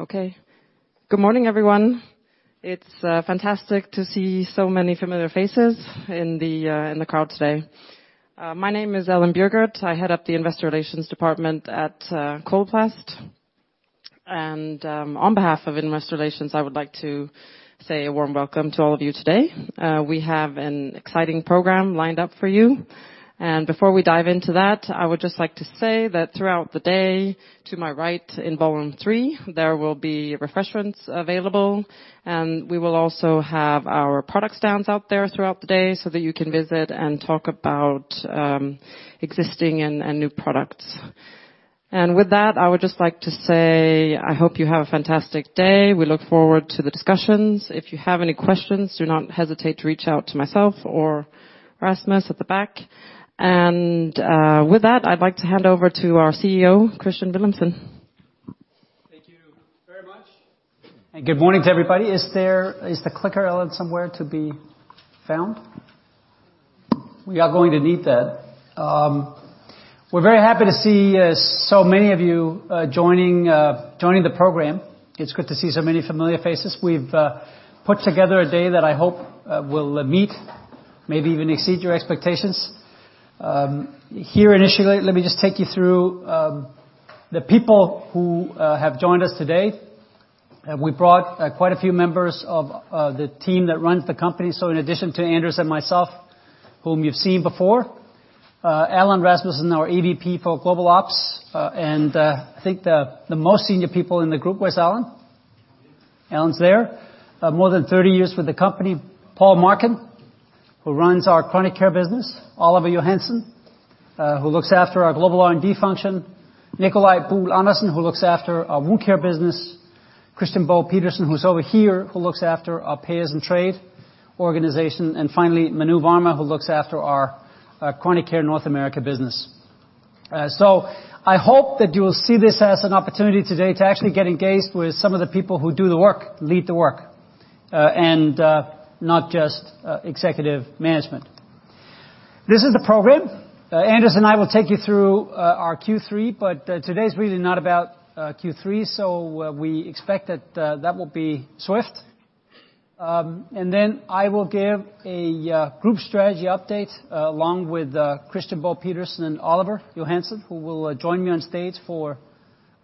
Okay. Good morning, everyone. It's fantastic to see so many familiar faces in the crowd today. My name is Ellen Bjurgert. I head up the Investor Relations department at Coloplast. On behalf of investor relations, I would like to say a warm welcome to all of you today. We have an exciting program lined up for you, and before we dive into that, I would just like to say that throughout the day, to my right in Ballroom 3, there will be refreshments available, and we will also have our product stands out there throughout the day so that you can visit and talk about existing and new products. With that, I would just like to say I hope you have a fantastic day. We look forward to the discussions. If you have any questions, do not hesitate to reach out to myself or Rasmus at the back. With that, I'd like to hand over to our CEO, Kristian Villumsen. Thank you very much. Good morning to everybody. Is the clicker, Ellen, somewhere to be found? We are going to need that. We're very happy to see so many of you joining the program. It's good to see so many familiar faces. We've put together a day that I hope will meet, maybe even exceed your expectations. Here, initially, let me just take you through the people who have joined us today. We brought quite a few members of the team that runs the company. In addition to Anders and myself, whom you've seen before, Allan Rasmussen, our EVP for Global Operations, and I think the most senior people in the group was Allan. Allan's there, more than 30 years with the company. Paul Marcun, who runs our Chronic Care business. Oliver Johansen, who looks after our Global R&D function. Nicolai Buhl Andersen, who looks after our Wound Care business. Christian Bo Petersen, who's over here, who looks after our Payers and Trade organization. Finally, Manu Varma, who looks after our Chronic Care North America business. I hope that you will see this as an opportunity today to actually get engaged with some of the people who do the work, lead the work, and not just executive management. This is the program. Anders and I will take you through our Q3, but today is really not about Q3, so we expect that that will be swift. I will give a group strategy update along with Christian Bo Petersen and Oliver Johansen, who will join me on stage for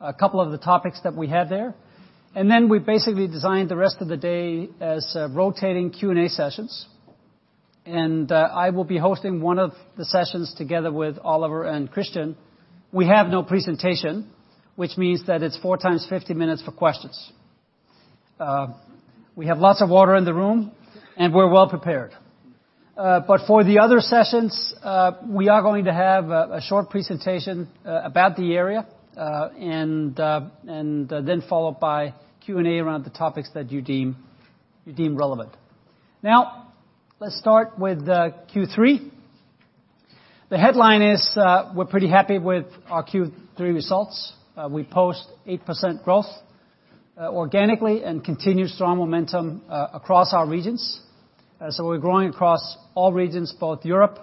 a couple of the topics that we have there. We basically designed the rest of the day as rotating Q and A sessions. I will be hosting one of the sessions together with Oliver and Christian. We have no presentation, which means that it's 4 x 50 minutes for questions. We have lots of water in the room, and we're well prepared. For the other sessions, we are going to have a short presentation about the area, and then followed by Q and A around the topics that you deem relevant. Let's start with Q3. The headline is, we're pretty happy with our Q3 results. We post 8% growth organically, and continued strong momentum across our regions. We're growing across all regions, both Europe,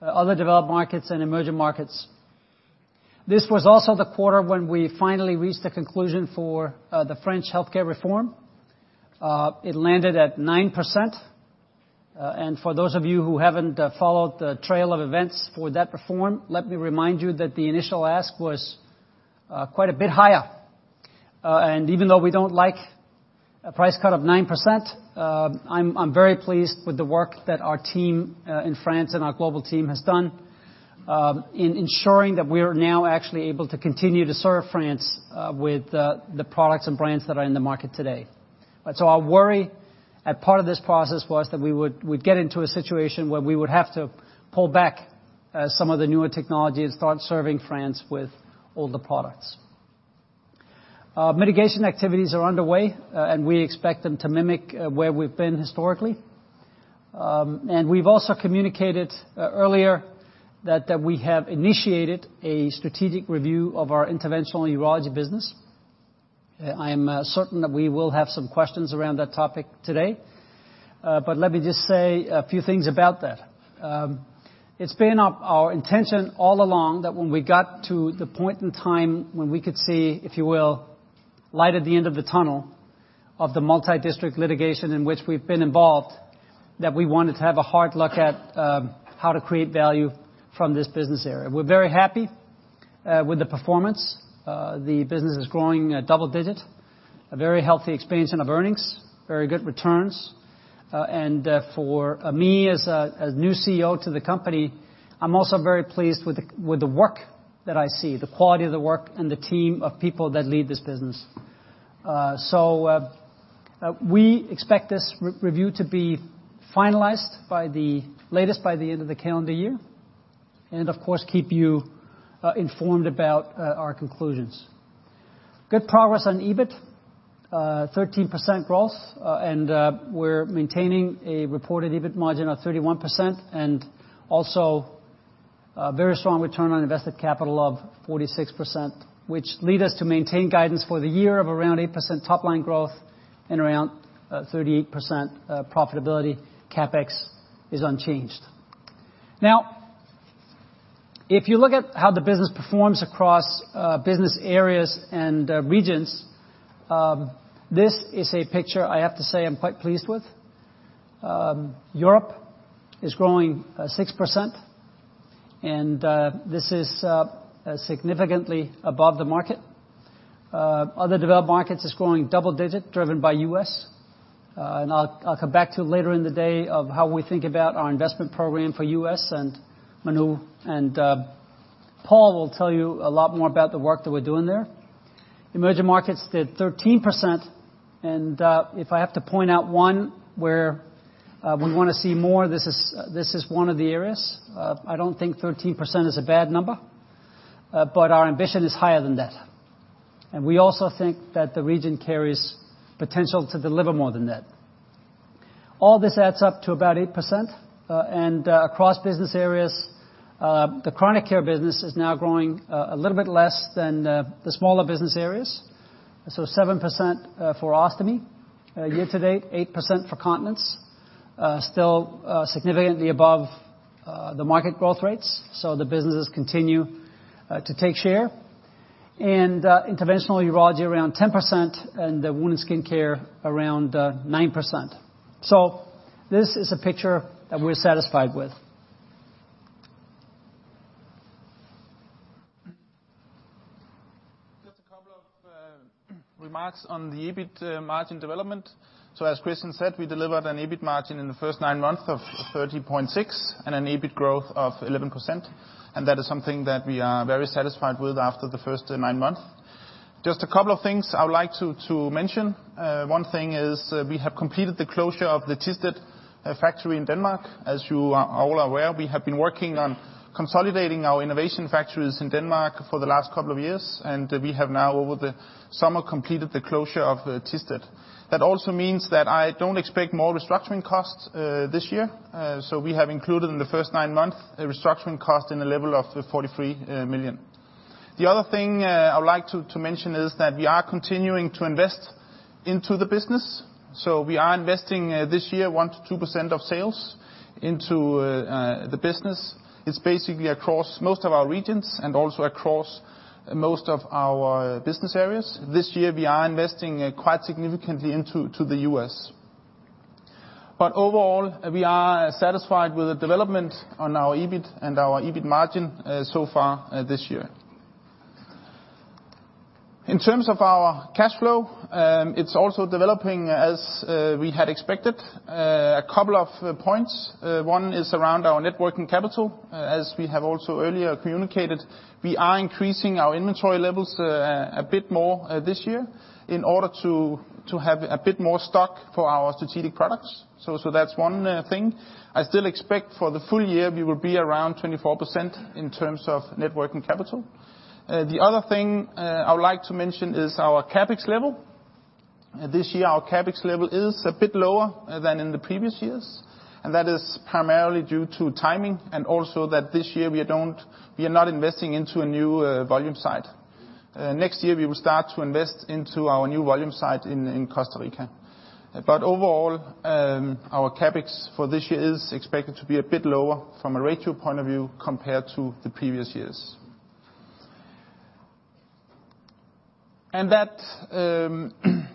other developed markets, and emerging markets. This was also the quarter when we finally reached the conclusion for the French healthcare reform. It landed at 9%. For those of you who haven't followed the trail of events for that reform, let me remind you that the initial ask was quite a bit higher. Even though we don't like a price cut of 9%, I'm very pleased with the work that our team in France and our global team has done in ensuring that we are now actually able to continue to serve France with the products and brands that are in the market today. Our worry at part of this process was that we'd get into a situation where we would have to pull back some of the newer technologies and start serving France with older products. Mitigation activities are underway, and we expect them to mimic where we've been historically. We've also communicated earlier that we have initiated a strategic review of our Interventional Neurology business. I am certain that we will have some questions around that topic today, let me just say a few things about that. It's been our intention all along that when we got to the point in time when we could see, if you will, light at the end of the tunnel of the multidistrict litigation in which we've been involved, that we wanted to have a hard look at how to create value from this business area. We're very happy with the performance. The business is growing at double digit, a very healthy expansion of earnings, very good returns. For me, as a new CEO to the company, I'm also very pleased with the work that I see, the quality of the work and the team of people that lead this business. We expect this re-review to be finalized by the... latest, by the end of the calendar year, and of course, keep you informed about our conclusions. Good progress on EBIT, 13% growth, and we're maintaining a reported EBIT margin of 31% and also a very strong return on invested capital of 46%, which lead us to maintain guidance for the year of around 8% top line growth and around 38% profitability. CapEx is unchanged. If you look at how the business performs across business areas and regions, this is a picture I have to say I'm quite pleased with. Europe is growing 6%, and this is significantly above the market. Other developed markets is growing double digit, driven by U.S. I'll come back to later in the day of how we think about our investment program for U.S., and Manu and Paul will tell you a lot more about the work that we're doing there. Emerging markets did 13%, and if I have to point out one where we wanna see more, this is one of the areas. I don't think 13% is a bad number, but our ambition is higher than that. We also think that the region carries potential to deliver more than that. All this adds up to about 8%, and across business areas, the Chronic Care business is now growing a little bit less than the smaller business areas. 7% for Ostomy year to date, 8% for Continence still significantly above the market growth rates, the businesses continue to take share. Interventional Urology around 10%, and the Wound and Skin Care around 9%. This is a picture that we're satisfied with. Just a couple of remarks on the EBIT margin development. As Kristian said, we delivered an EBIT margin in the first nine months of 30.6, and an EBIT growth of 11%, and that is something that we are very satisfied with after the first nine months. Just a couple of things I would like to mention. One thing is, we have completed the closure of the Thisted factory in Denmark. As you are all aware, we have been working on consolidating our innovation factories in Denmark for the last couple of years, and we have now, over the summer, completed the closure of Thisted. That also means that I don't expect more restructuring costs this year. We have included in the first nine months a restructuring cost in the level of 43 million. The other thing I would like to mention is that we are continuing to invest into the business. We are investing this year, 1%-2% of sales into the business. It's basically across most of our regions and also across most of our business areas. This year, we are investing quite significantly into the U.S. Overall, we are satisfied with the development on our EBIT and our EBIT margin so far this year. In terms of our cash flow, it's also developing as we had expected. A couple of points. One is around our net working capital. As we have also earlier communicated, we are increasing our inventory levels a bit more this year in order to have a bit more stock for our strategic products. That's one thing. I still expect for the full year, we will be around 24% in terms of net working capital. The other thing I would like to mention is our CapEx level. This year, our CapEx level is a bit lower than in the previous years, and that is primarily due to timing and also that this year we are not investing into a new volume site. Next year, we will start to invest into our new volume site in Costa Rica. Overall, our CapEx for this year is expected to be a bit lower from a ratio point of view compared to the previous years. That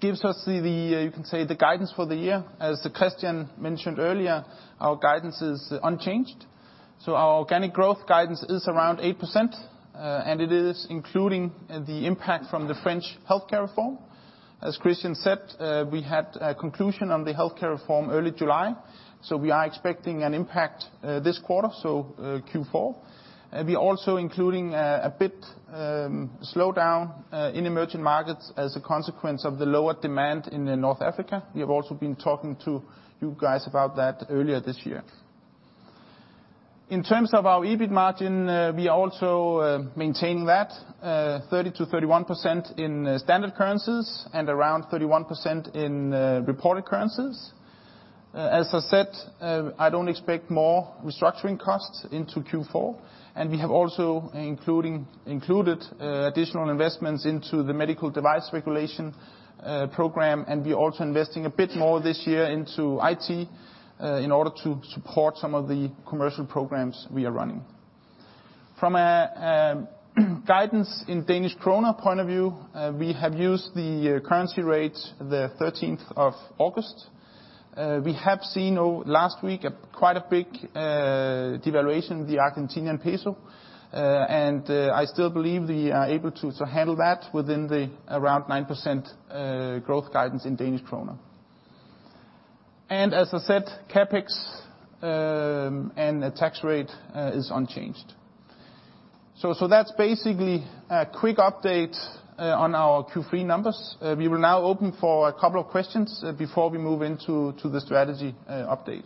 gives us the, you can say, the guidance for the year. As Kristian mentioned earlier, our guidance is unchanged. Our organic growth guidance is around 8%, and it is including the impact from the French healthcare reform. Kristian said, we had a conclusion on the healthcare reform early July, so we are expecting an impact this quarter, so Q4. Including a bit slowdown in emerging markets as a consequence of the lower demand in North Africa. We have also been talking to you guys about that earlier this year. Our EBIT margin, we also maintain that 30%-31% in standard currencies and around 31% in reported currencies. As I said, I don't expect more restructuring costs into Q4. We have also included, additional investments into the Medical Device Regulation program, and we're also investing a bit more this year into IT, in order to support some of the commercial programs we are running. From a guidance in Danish kroner point of view, we have used the currency rate the 13th of August. We have seen over last week, a quite a big devaluation, the Argentinian peso, and I still believe we are able to handle that within the around 9% growth guidance in Danish kroner. As I said, CapEx, and the tax rate is unchanged. That's basically a quick update on our Q3 numbers. We will now open for a couple of questions before we move into the strategy update.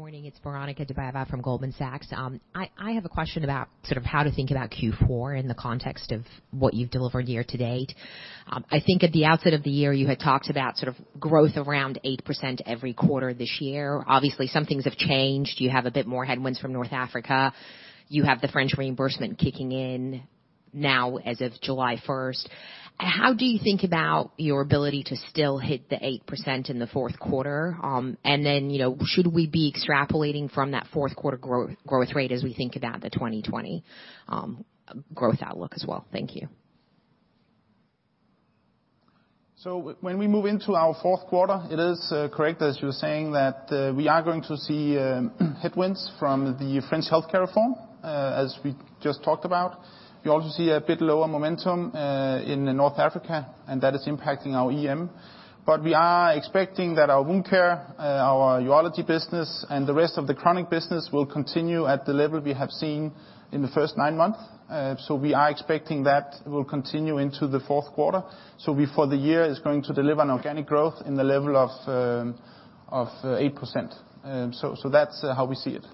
Hi, good morning, it's Veronika Dubajova from Goldman Sachs. I have a question about sort of how to think about Q4 in the context of what you've delivered year to date. I think at the outset of the year, you had talked about sort of growth around 8% every quarter this year. Obviously, some things have changed. You have a bit more headwinds from North Africa. You have the French reimbursement kicking in.... now as of July 1st, how do you think about your ability to still hit the 8% in the Q4? You know, should we be extrapolating from that Q4 growth rate as we think about the 2020 growth outlook as well? Thank you. When we move into our fourth quarter, it is correct, as you were saying, that we are going to see headwinds from the French healthcare reform, as we just talked about. You also see a bit lower momentum in North Africa, and that is impacting our EM. We are expecting that our Wound Care, our Urology business, and the rest of the Chronic business will continue at the level we have seen in the first nine months. We are expecting that will continue into the fourth quarter. We, for the year, is going to deliver an organic growth in the level of 8%. That's how we see it.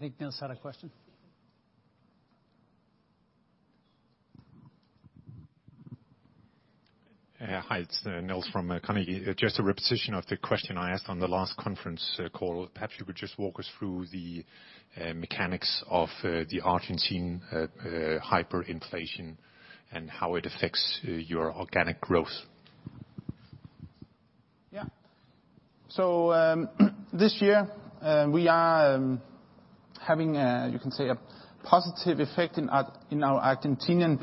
Niels? I think Niels had a question. Hi, it's Niels from Carnegie. Just a repetition of the question I asked on the last conference call. Perhaps you could just walk us through the mechanics of the Argentinian hyperinflation and how it affects your organic growth? This year, we are having a, you can say, a positive effect in our Argentinian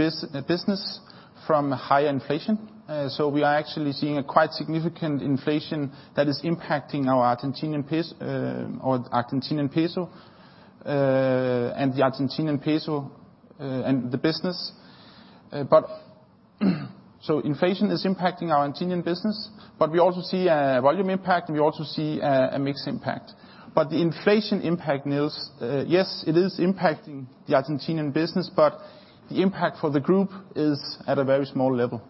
business from higher inflation. We are actually seeing a quite significant inflation that is impacting our Argentinian Peso and the business. Inflation is impacting our Argentinian business, but we also see a volume impact, and we also see a mix impact. The inflation impact, Niels, yes, it is impacting the Argentinian business, but the impact for the group is at a very small level.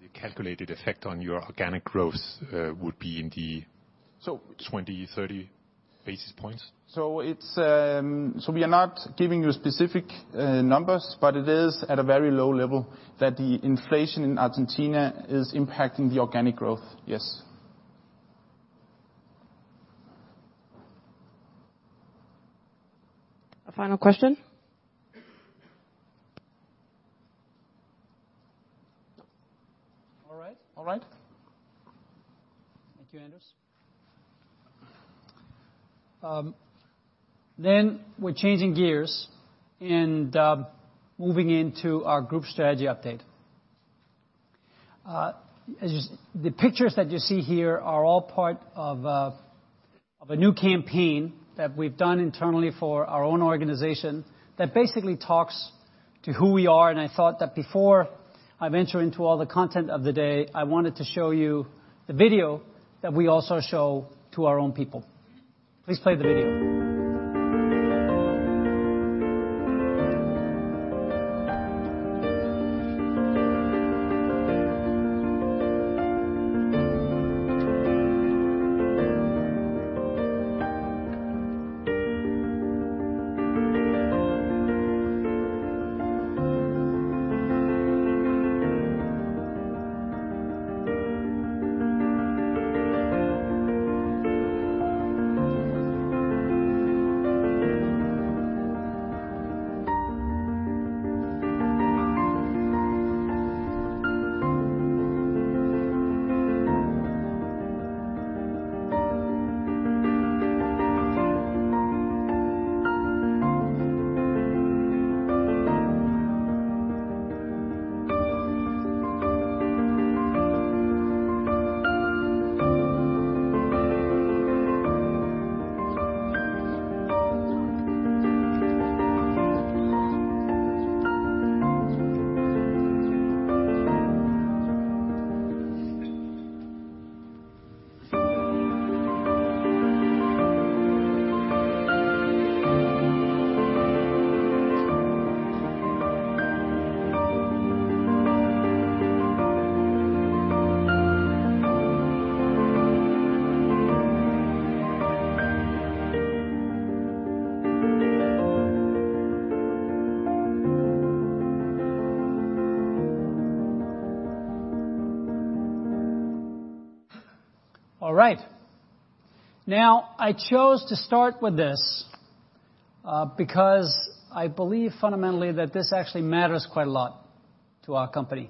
The calculated effect on your organic growth would be in the-. So- 20, 30 basis points? We are not giving you specific numbers, but it is at a very low level that the inflation in Argentina is impacting the organic growth, yes. A final question? All right, all right. Thank you, Anders. We're changing gears and moving into our group strategy update. The pictures that you see here are all part of a new campaign that we've done internally for our own organization, that basically talks to who we are. I thought that before I venture into all the content of the day, I wanted to show you the video that we also show to our own people. Please play the video. All right. I chose to start with this because I believe fundamentally that this actually matters quite a lot to our company.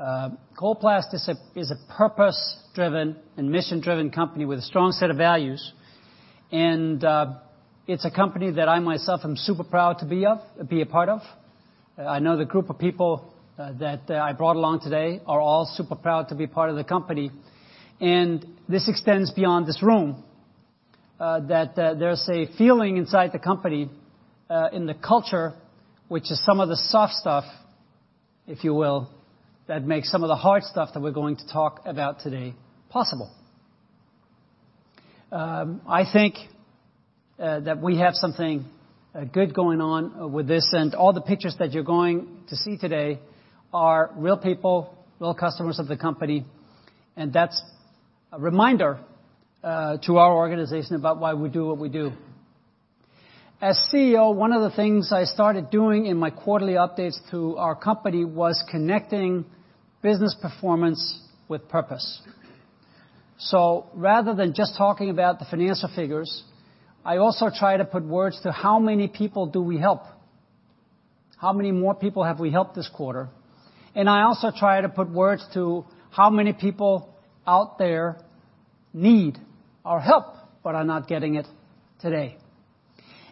Coloplast is a purpose-driven and mission-driven company with a strong set of values, and it's a company that I myself am super proud to be a part of. I know the group of people that I brought along today are all super proud to be part of the company. This extends beyond this room that there's a feeling inside the company in the culture, which is some of the soft stuff, if you will, that makes some of the hard stuff that we're going to talk about today possible. I think that we have something good going on with this, and all the pictures that you're going to see today are real people, real customers of the company, and that's a reminder to our organization about why we do what we do. As CEO, one of the things I started doing in my quarterly updates to our company was connecting business performance with purpose. Rather than just talking about the financial figures, I also try to put words to how many people do we help? How many more people have we helped this quarter? I also try to put words to how many people out there need our help, but are not getting it today.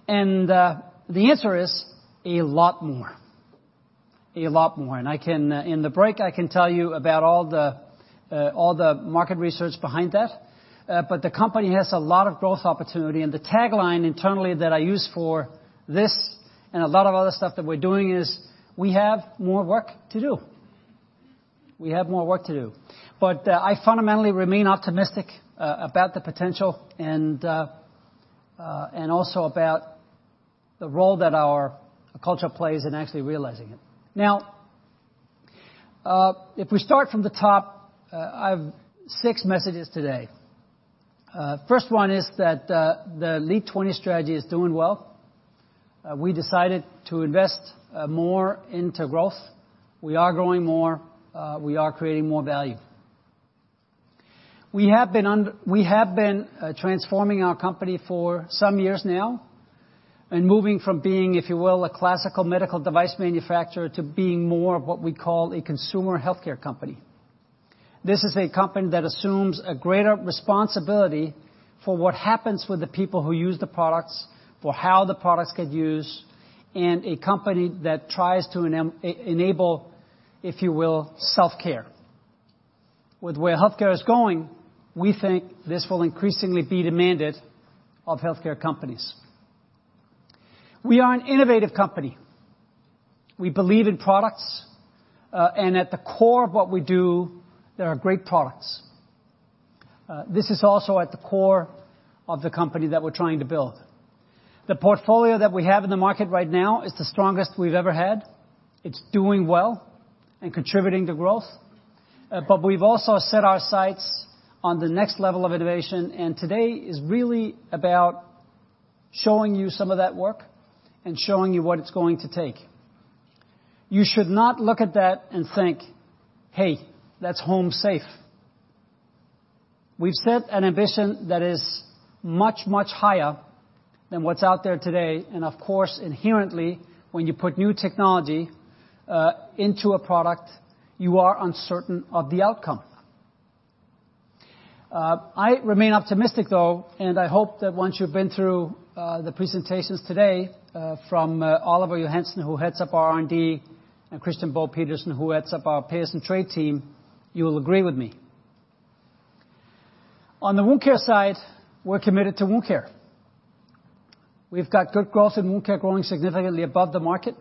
The answer is a lot more. A lot more. I can, in the break, I can tell you about all the market research behind that, but the company has a lot of growth opportunity, and the tagline internally that I use for this and a lot of other stuff that we're doing is, "We have more work to do." We have more work to do. I fundamentally remain optimistic about the potential and also about the role that our culture plays in actually realizing it. If we start from the top, I've six messages today. First one is that the LEAD20 strategy is doing well. We decided to invest more into growth. We are growing more, we are creating more value. We have been transforming our company for some years now, and moving from being, if you will, a classical medical device manufacturer, to being more of what we call a consumer healthcare company. This is a company that assumes a greater responsibility for what happens with the people who use the products, for how the products get used, and a company that tries to enable, if you will, self-care. With where healthcare is going, we think this will increasingly be demanded of healthcare companies. We are an innovative company. We believe in products, and at the core of what we do, there are great products. This is also at the core of the company that we're trying to build. The portfolio that we have in the market right now is the strongest we've ever had. It's doing well and contributing to growth, but we've also set our sights on the next level of innovation, and today is really about showing you some of that work and showing you what it's going to take. You should not look at that and think, "Hey, that's home safe." We've set an ambition that is much, much higher than what's out there today, and of course, inherently, when you put new technology into a product, you are uncertain of the outcome. I remain optimistic, though, and I hope that once you've been through the presentations today from Oliver Johansen, who heads up R&D, and Christian Bo Petersen, who heads up our Payers and Trade team, you will agree with me. On the Wound Care side, we're committed to Wound Care. We've got good growth in Wound Care, growing significantly above the market,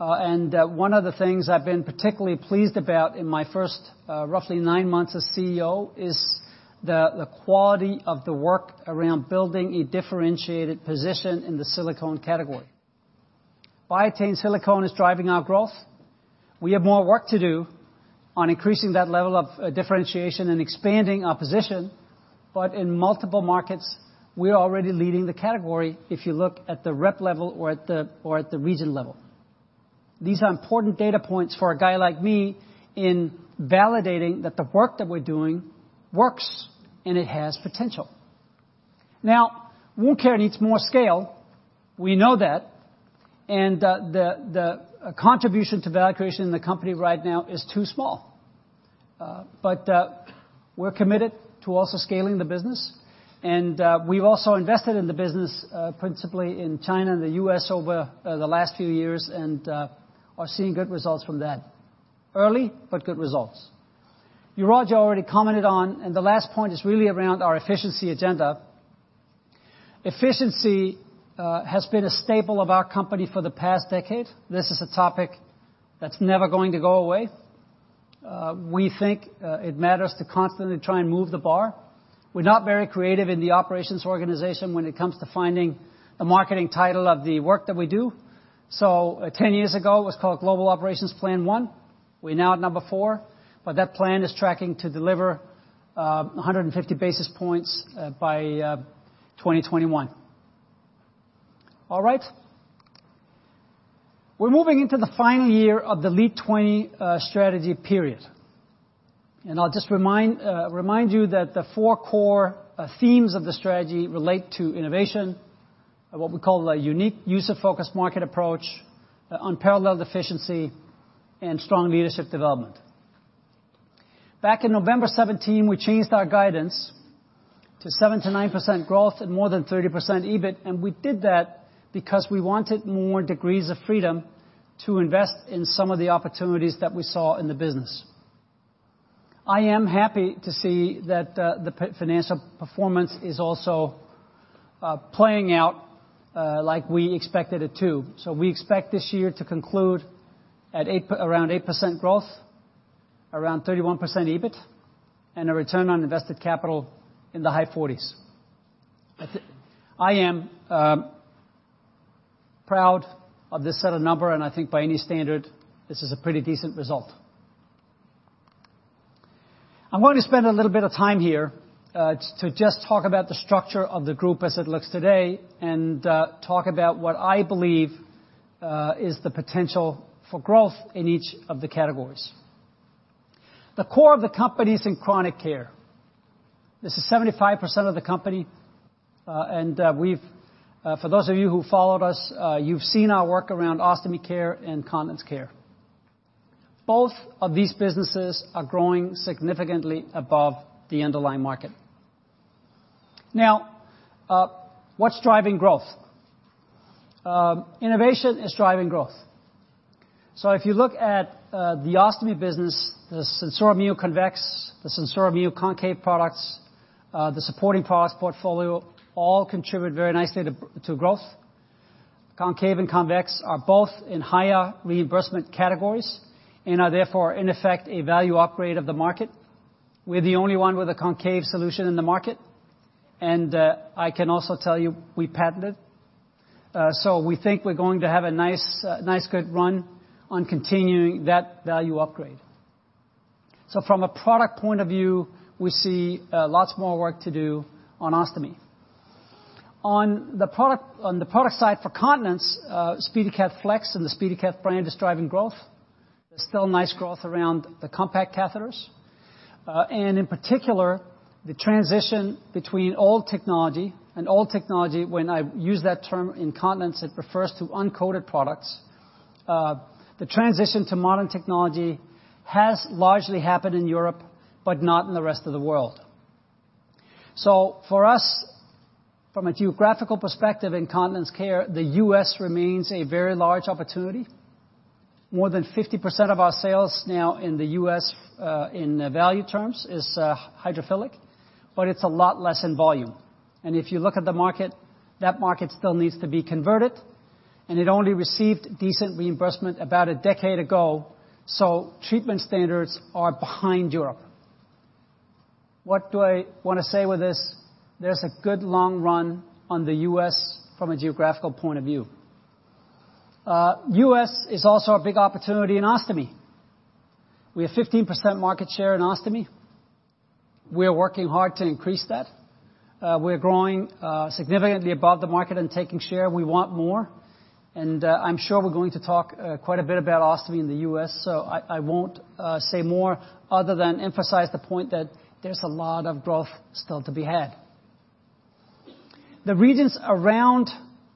and one of the things I've been particularly pleased about in my first roughly nine months as CEO, is the quality of the work around building a differentiated position in the silicone category. Biatain Silicone is driving our growth. We have more work to do on increasing that level of differentiation and expanding our position. In multiple markets, we are already leading the category, if you look at the rep level or at the region level. These are important data points for a guy like me in validating that the work that we're doing works, and it has potential. Now, Wound Care needs more scale. We know that, and the contribution to value creation in the company right now is too small. We're committed to also scaling the business, and we've also invested in the business, principally in China and the U.S. over the last few years, and are seeing good results from that. Early, but good results. Strive25 already commented on. The last point is really around our efficiency agenda. Efficiency has been a staple of our company for the past decade. This is a topic that's never going to go away. We think it matters to constantly try and move the bar. We're not very creative in the operations organization when it comes to finding the marketing title of the work that we do. 10 years ago, it was called Global Operations Plan I. We're now at number four. That plan is tracking to deliver 150 basis points by 2021. All right. We're moving into the final year of the LEAD20 strategy period, and I'll just remind you that the four core themes of the strategy relate to innovation, and what we call a unique user-focused market approach, unparalleled efficiency, and strong leadership development. Back in November 17, we changed our guidance to 7%-9% growth and more than 30% EBIT, and we did that because we wanted more degrees of freedom to invest in some of the opportunities that we saw in the business. I am happy to see that the financial performance is also playing out like we expected it to. We expect this year to conclude at around 8% growth, around 31% EBIT, and a return on invested capital in the high 40%s. I am proud of this set of number. I think by any standard, this is a pretty decent result. I'm going to spend a little bit of time here to just talk about the structure of the group as it looks today, and talk about what I believe is the potential for growth in each of the categories. The core of the company is in chronic care. This is 75% of the company, and we've for those of you who followed us, you've seen our work around Ostomy Care and Continence Care. Both of these businesses are growing significantly above the underlying market. Now, what's driving growth? Innovation is driving growth. If you look at the Ostomy business, the SenSura Mio Convex, the SenSura Mio Concave products, the supporting products portfolio, all contribute very nicely to growth. Concave and Convex are both in higher reimbursement categories and are therefore, in effect, a value upgrade of the market. We're the only one with a concave solution in the market, and I can also tell you we patent it. We think we're going to have a nice good run on continuing that value upgrade. From a product point of view, we see lots more work to do on Ostomy. On the product side for Continence, SpeediCath Flex and the SpeediCath brand is driving growth. There's still nice growth around the compact catheters, and in particular, the transition between old technology... Old technology, when I use that term in continence, it refers to uncoated products. The transition to modern technology has largely happened in Europe, but not in the rest of the world. For us, from a geographical perspective in Continence Care, the U.S. remains a very large opportunity. More than 50% of our sales now in the U.S., in value terms, is hydrophilic, but it's a lot less in volume. If you look at the market, that market still needs to be converted, and it only received decent reimbursement about a decade ago, so treatment standards are behind Europe. What do I want to say with this? There's a good long run on the U.S. from a geographical point of view. U.S. is also a big opportunity in Ostomy. We have 15% market share in Ostomy. We are working hard to increase that. We're growing significantly above the market and taking share. We want more. I'm sure we're going to talk quite a bit about Ostomy in the U.S., so I won't say more other than emphasize the point that there's a lot of growth still to be had. The regions around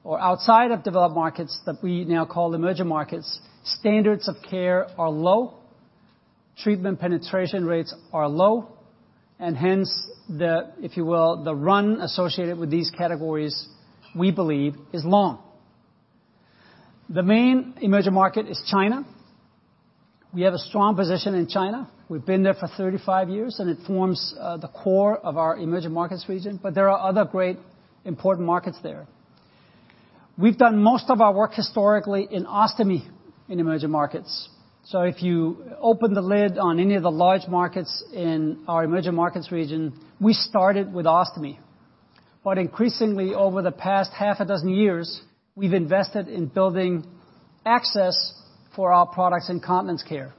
or outside of developed markets that we now call emerging markets, standards of care are low, treatment penetration rates are low. Hence, the, if you will, the run associated with these categories, we believe, is long. The main emerging market is China. We have a strong position in China. We've been there for 35 years. It forms the core of our emerging markets region. There are other great, important markets there. We've done most of our work historically in Ostomy in emerging markets. If you open the lid on any of the large markets in our emerging markets region, we started with ostomy. Increasingly, over the past half a dozen years, we've invested in building access for our products in Continence Care.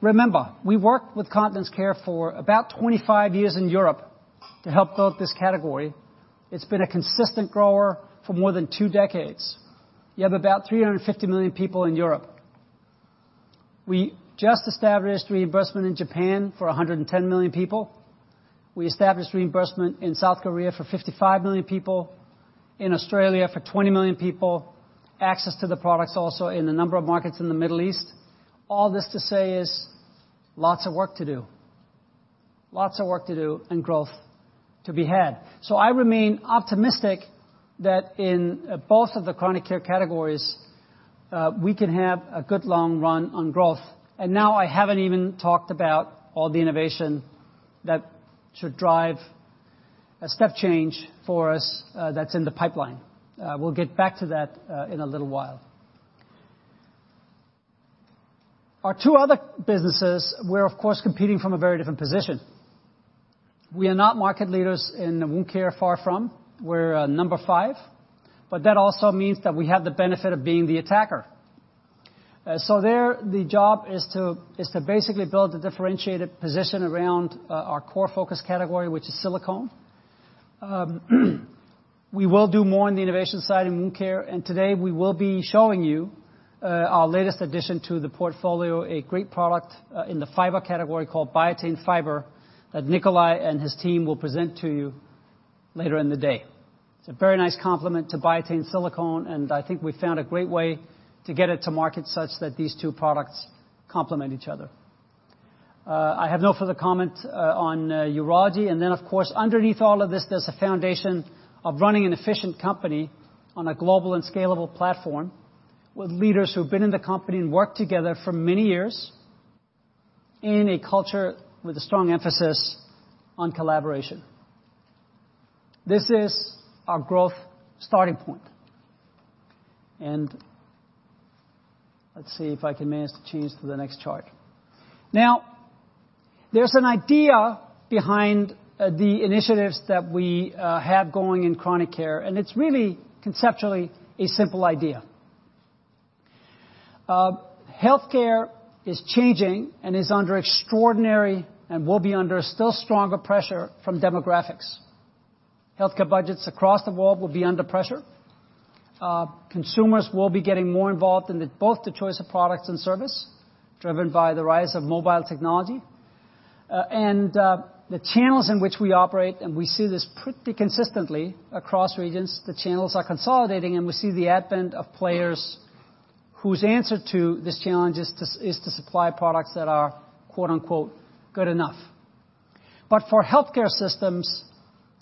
Remember, we worked with Continence Care for about 25 years in Europe to help build this category. It's been a consistent grower for more than two decades. You have about 350 million people in Europe. We just established reimbursement in Japan for 110 million people. We established reimbursement in South Korea for 55 million people, in Australia for 20 million people, access to the products also in a number of markets in the Middle East. All this to say is, lots of work to do. Lots of work to do and growth to be had. I remain optimistic that in both of the chronic care categories, we can have a good long run on growth. Now, I haven't even talked about all the innovation that should drive a step change for us, that's in the pipeline. We'll get back to that in a little while. Our two other businesses, we're of course, competing from a very different position. We are not market leaders in Wound Care, far from. We're number five, but that also means that we have the benefit of being the attacker. There, the job is to basically build a differentiated position around our core focus category, which is silicone. We will do more on the innovation side in Wound Care, and today we will be showing you our latest addition to the portfolio, a great product in the fiber category called Biatain Fiber, that Nicolai and his team will present to you later in the day. It's a very nice complement to Biatain Silicone, and I think we found a great way to get it to market such that these two products complement each other. I have no further comment on Urology, and then, of course, underneath all of this, there's a foundation of running an efficient company on a global and scalable platform with leaders who've been in the company and worked together for many years in a culture with a strong emphasis on collaboration. This is our growth starting point. Let's see if I can manage to change to the next chart. Now, there's an idea behind the initiatives that we have going in chronic care, and it's really conceptually a simple idea. Healthcare is changing and is under extraordinary, and will be under still stronger pressure from demographics. Healthcare budgets across the world will be under pressure. Consumers will be getting more involved in the, both the choice of products and service, driven by the rise of mobile technology. The channels in which we operate, and we see this pretty consistently across regions, the channels are consolidating, and we see the advent of players whose answer to this challenge is to supply products that are, quote, unquote, "good enough." For healthcare systems,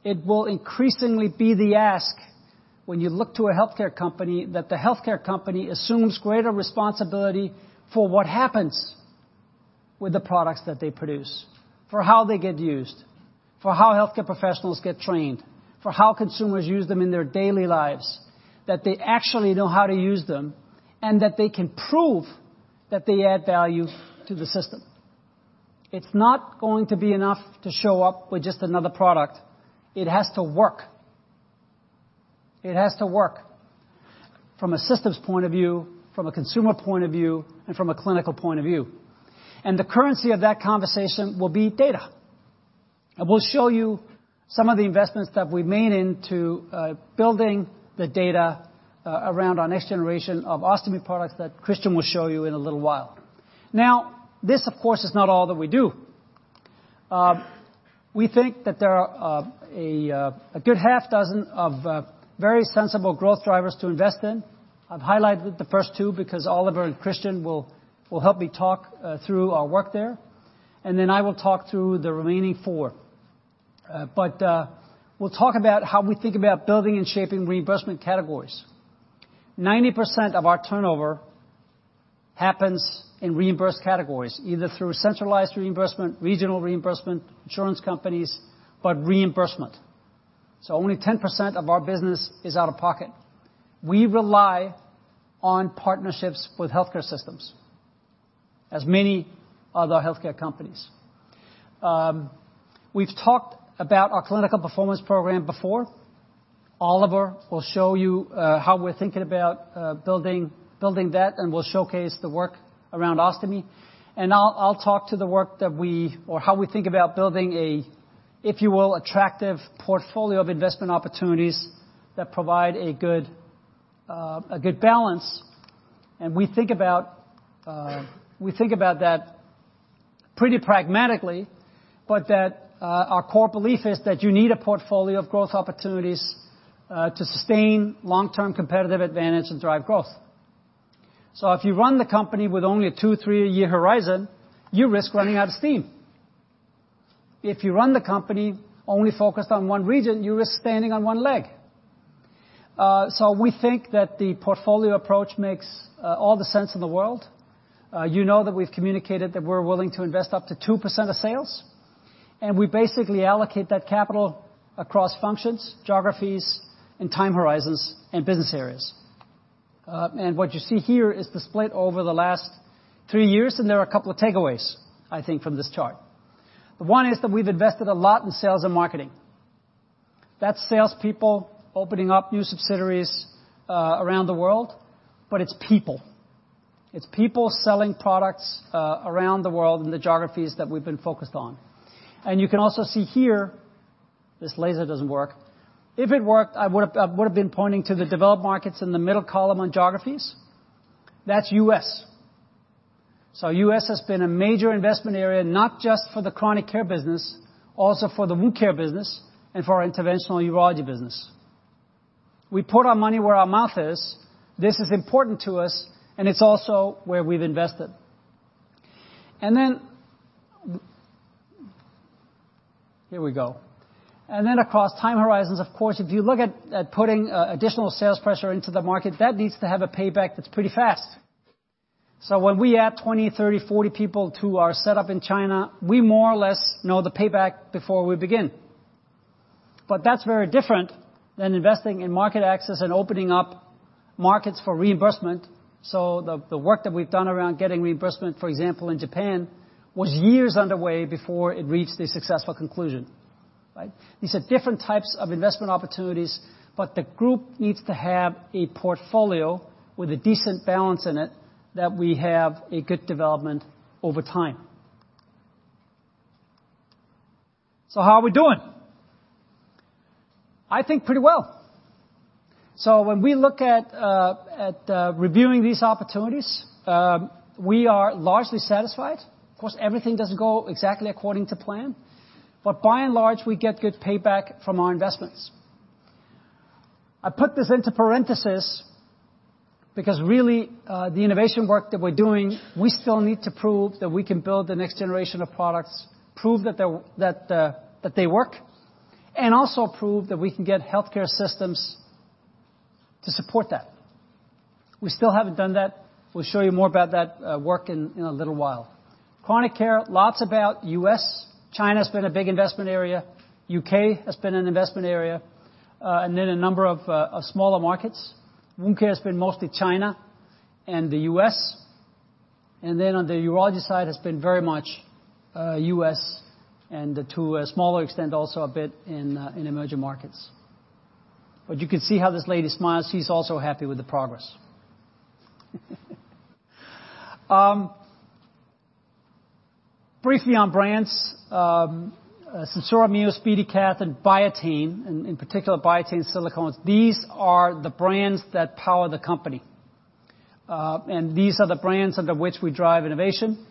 it will increasingly be the ask when you look to a healthcare company, that the healthcare company assumes greater responsibility for what happens with the products that they produce, for how they get used, for how healthcare professionals get trained, for how consumers use them in their daily lives, that they actually know how to use them, and that they can prove that they add value to the system. It's not going to be enough to show up with just another product. It has to work. It has to work from a systems point of view, from a consumer point of view, and from a clinical point of view. The currency of that conversation will be data. I will show you some of the investments that we've made into building the data around our next generation of ostomy products that Christian will show you in a little while. This, of course, is not all that we do. We think that there are a good half dozen of very sensible growth drivers to invest in. I've highlighted the first two because Oliver and Christian will help me talk through our work there. Then I will talk through the remaining four. We'll talk about how we think about building and shaping reimbursement categories. 90% of our turnover happens in reimbursed categories, either through centralized reimbursement, regional reimbursement, insurance companies, but reimbursement. Only 10% of our business is out of pocket. We rely on partnerships with healthcare systems, as many other healthcare companies. We've talked about our clinical performance program before. Oliver will show you how we're thinking about building that, and we'll showcase the work around ostomy. I'll talk to the work or how we think about building a, if you will, attractive portfolio of investment opportunities that provide a good, a good balance. We think about that pretty pragmatically, but that our core belief is that you need a portfolio of growth opportunities to sustain long-term competitive advantage and drive growth. If you run the company with only a two, three-year horizon, you risk running out of steam. If you run the company only focused on one region, you risk standing on one leg. We think that the portfolio approach makes all the sense in the world. You know that we've communicated that we're willing to invest up to 2% of sales, and we basically allocate that capital across functions, geographies, and time horizons, and business areas. What you see here is the split over the last three years, and there are a couple of takeaways, I think, from this chart. The one is that we've invested a lot in sales and marketing. That's salespeople opening up new subsidiaries around the world, but it's people. It's people selling products around the world in the geographies that we've been focused on. You can also see here. This laser doesn't work. If it worked, I would have been pointing to the developed markets in the middle column on geographies. That's U.S. U.S. has been a major investment area, not just for the Chronic Care business, also for the Wound Care business and for our Interventional Urology business. We put our money where our mouth is. This is important to us, and it's also where we've invested. Here we go. Across time horizons, of course, if you look at putting additional sales pressure into the market, that needs to have a payback that's pretty fast. When we add 20, 30, 40 people to our setup in China, we more or less know the payback before we begin. That's very different than investing in market access and opening up markets for reimbursement. The, the work that we've done around getting reimbursement, for example, in Japan, was years underway before it reached a successful conclusion, right? These are different types of investment opportunities, but the group needs to have a portfolio with a decent balance in it, that we have a good development over time. How are we doing? I think pretty well. When we look at reviewing these opportunities, we are largely satisfied. Of course, everything doesn't go exactly according to plan, but by and large, we get good payback from our investments. I put this into parenthesis because really, the innovation work that we're doing, we still need to prove that we can build the next generation of products, prove that they work, and also prove that we can get healthcare systems to support that. We still haven't done that. We'll show you more about that work in a little while. Chronic Care, lots about U.S. China has been a big investment area. U.K. has been an investment area, and then a number of smaller markets. Wound Care has been mostly China and the U.S. On the Urology side has been very much U.S., and to a smaller extent, also a bit in emerging markets. You can see how this lady smiles. She's also happy with the progress. Briefly on brands, SenSura Mio, SpeediCath, and Biatain, in particular, Biatain Silicone, these are the brands that power the company. These are the brands under which we drive innovation,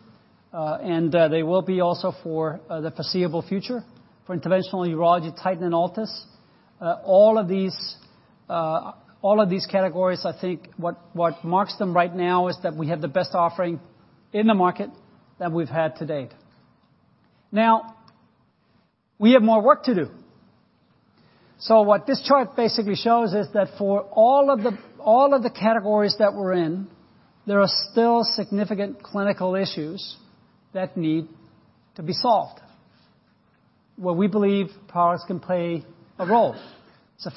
and they will be also for the foreseeable future. For Interventional Urology, Titan and Altis. All of these, all of these categories, I think what marks them right now is that we have the best offering in the market than we've had to date. Now, we have more work to do. What this chart basically shows is that for all of the categories that we're in, there are still significant clinical issues that need to be solved, where we believe products can play a role.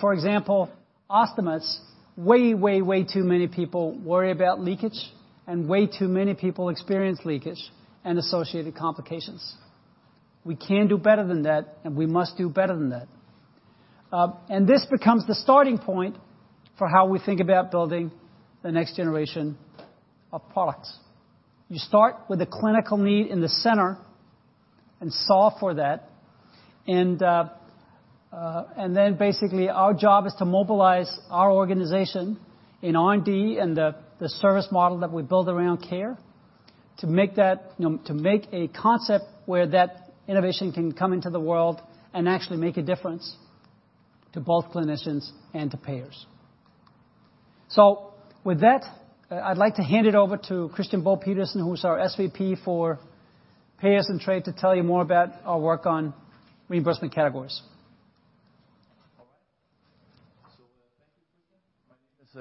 For example, ostomates, way, way too many people worry about leakage, and way too many people experience leakage and associated complications. We can do better than that, and we must do better than that. This becomes the starting point for how we think about building the next generation of products. You start with the clinical need in the center and solve for that. Basically, our job is to mobilize our organization in R&D and the service model that we build around care, to make that, you know, to make a concept where that innovation can come into the world and actually make a difference to both clinicians and to payers. With that, I'd like to hand it over to Christian Bo Petersen, who's our SVP for Payers and Trade, to tell you more about our work on reimbursement categories.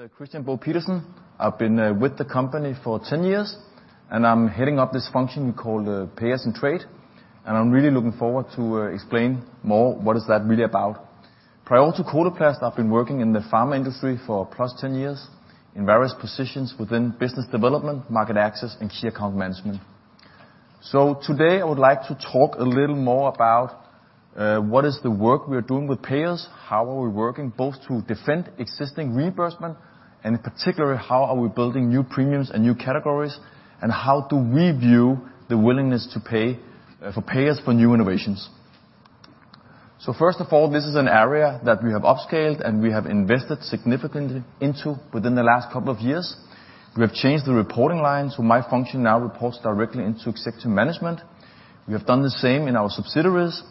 All right. Thank you, Kristian. My name is Christian Bo Petersen. I've been with the company for 10 years, and I'm heading up this function we call Payers and Trade, and I'm really looking forward to explain more what is that really about. Prior to Coloplast, I've been working in the pharma industry for +10 years in various positions within business development, market access, and key account management. Today, I would like to talk a little more about what is the work we are doing with payers, how are we working both to defend existing reimbursement, and in particular, how are we building new premiums and new categories, and how do we view the willingness to pay for payers for new innovations? First of all, this is an area that we have upscaled, and we have invested significantly into within the last couple of years. We have changed the reporting line, so my function now reports directly into executive management. We have done the same in our subsidiaries.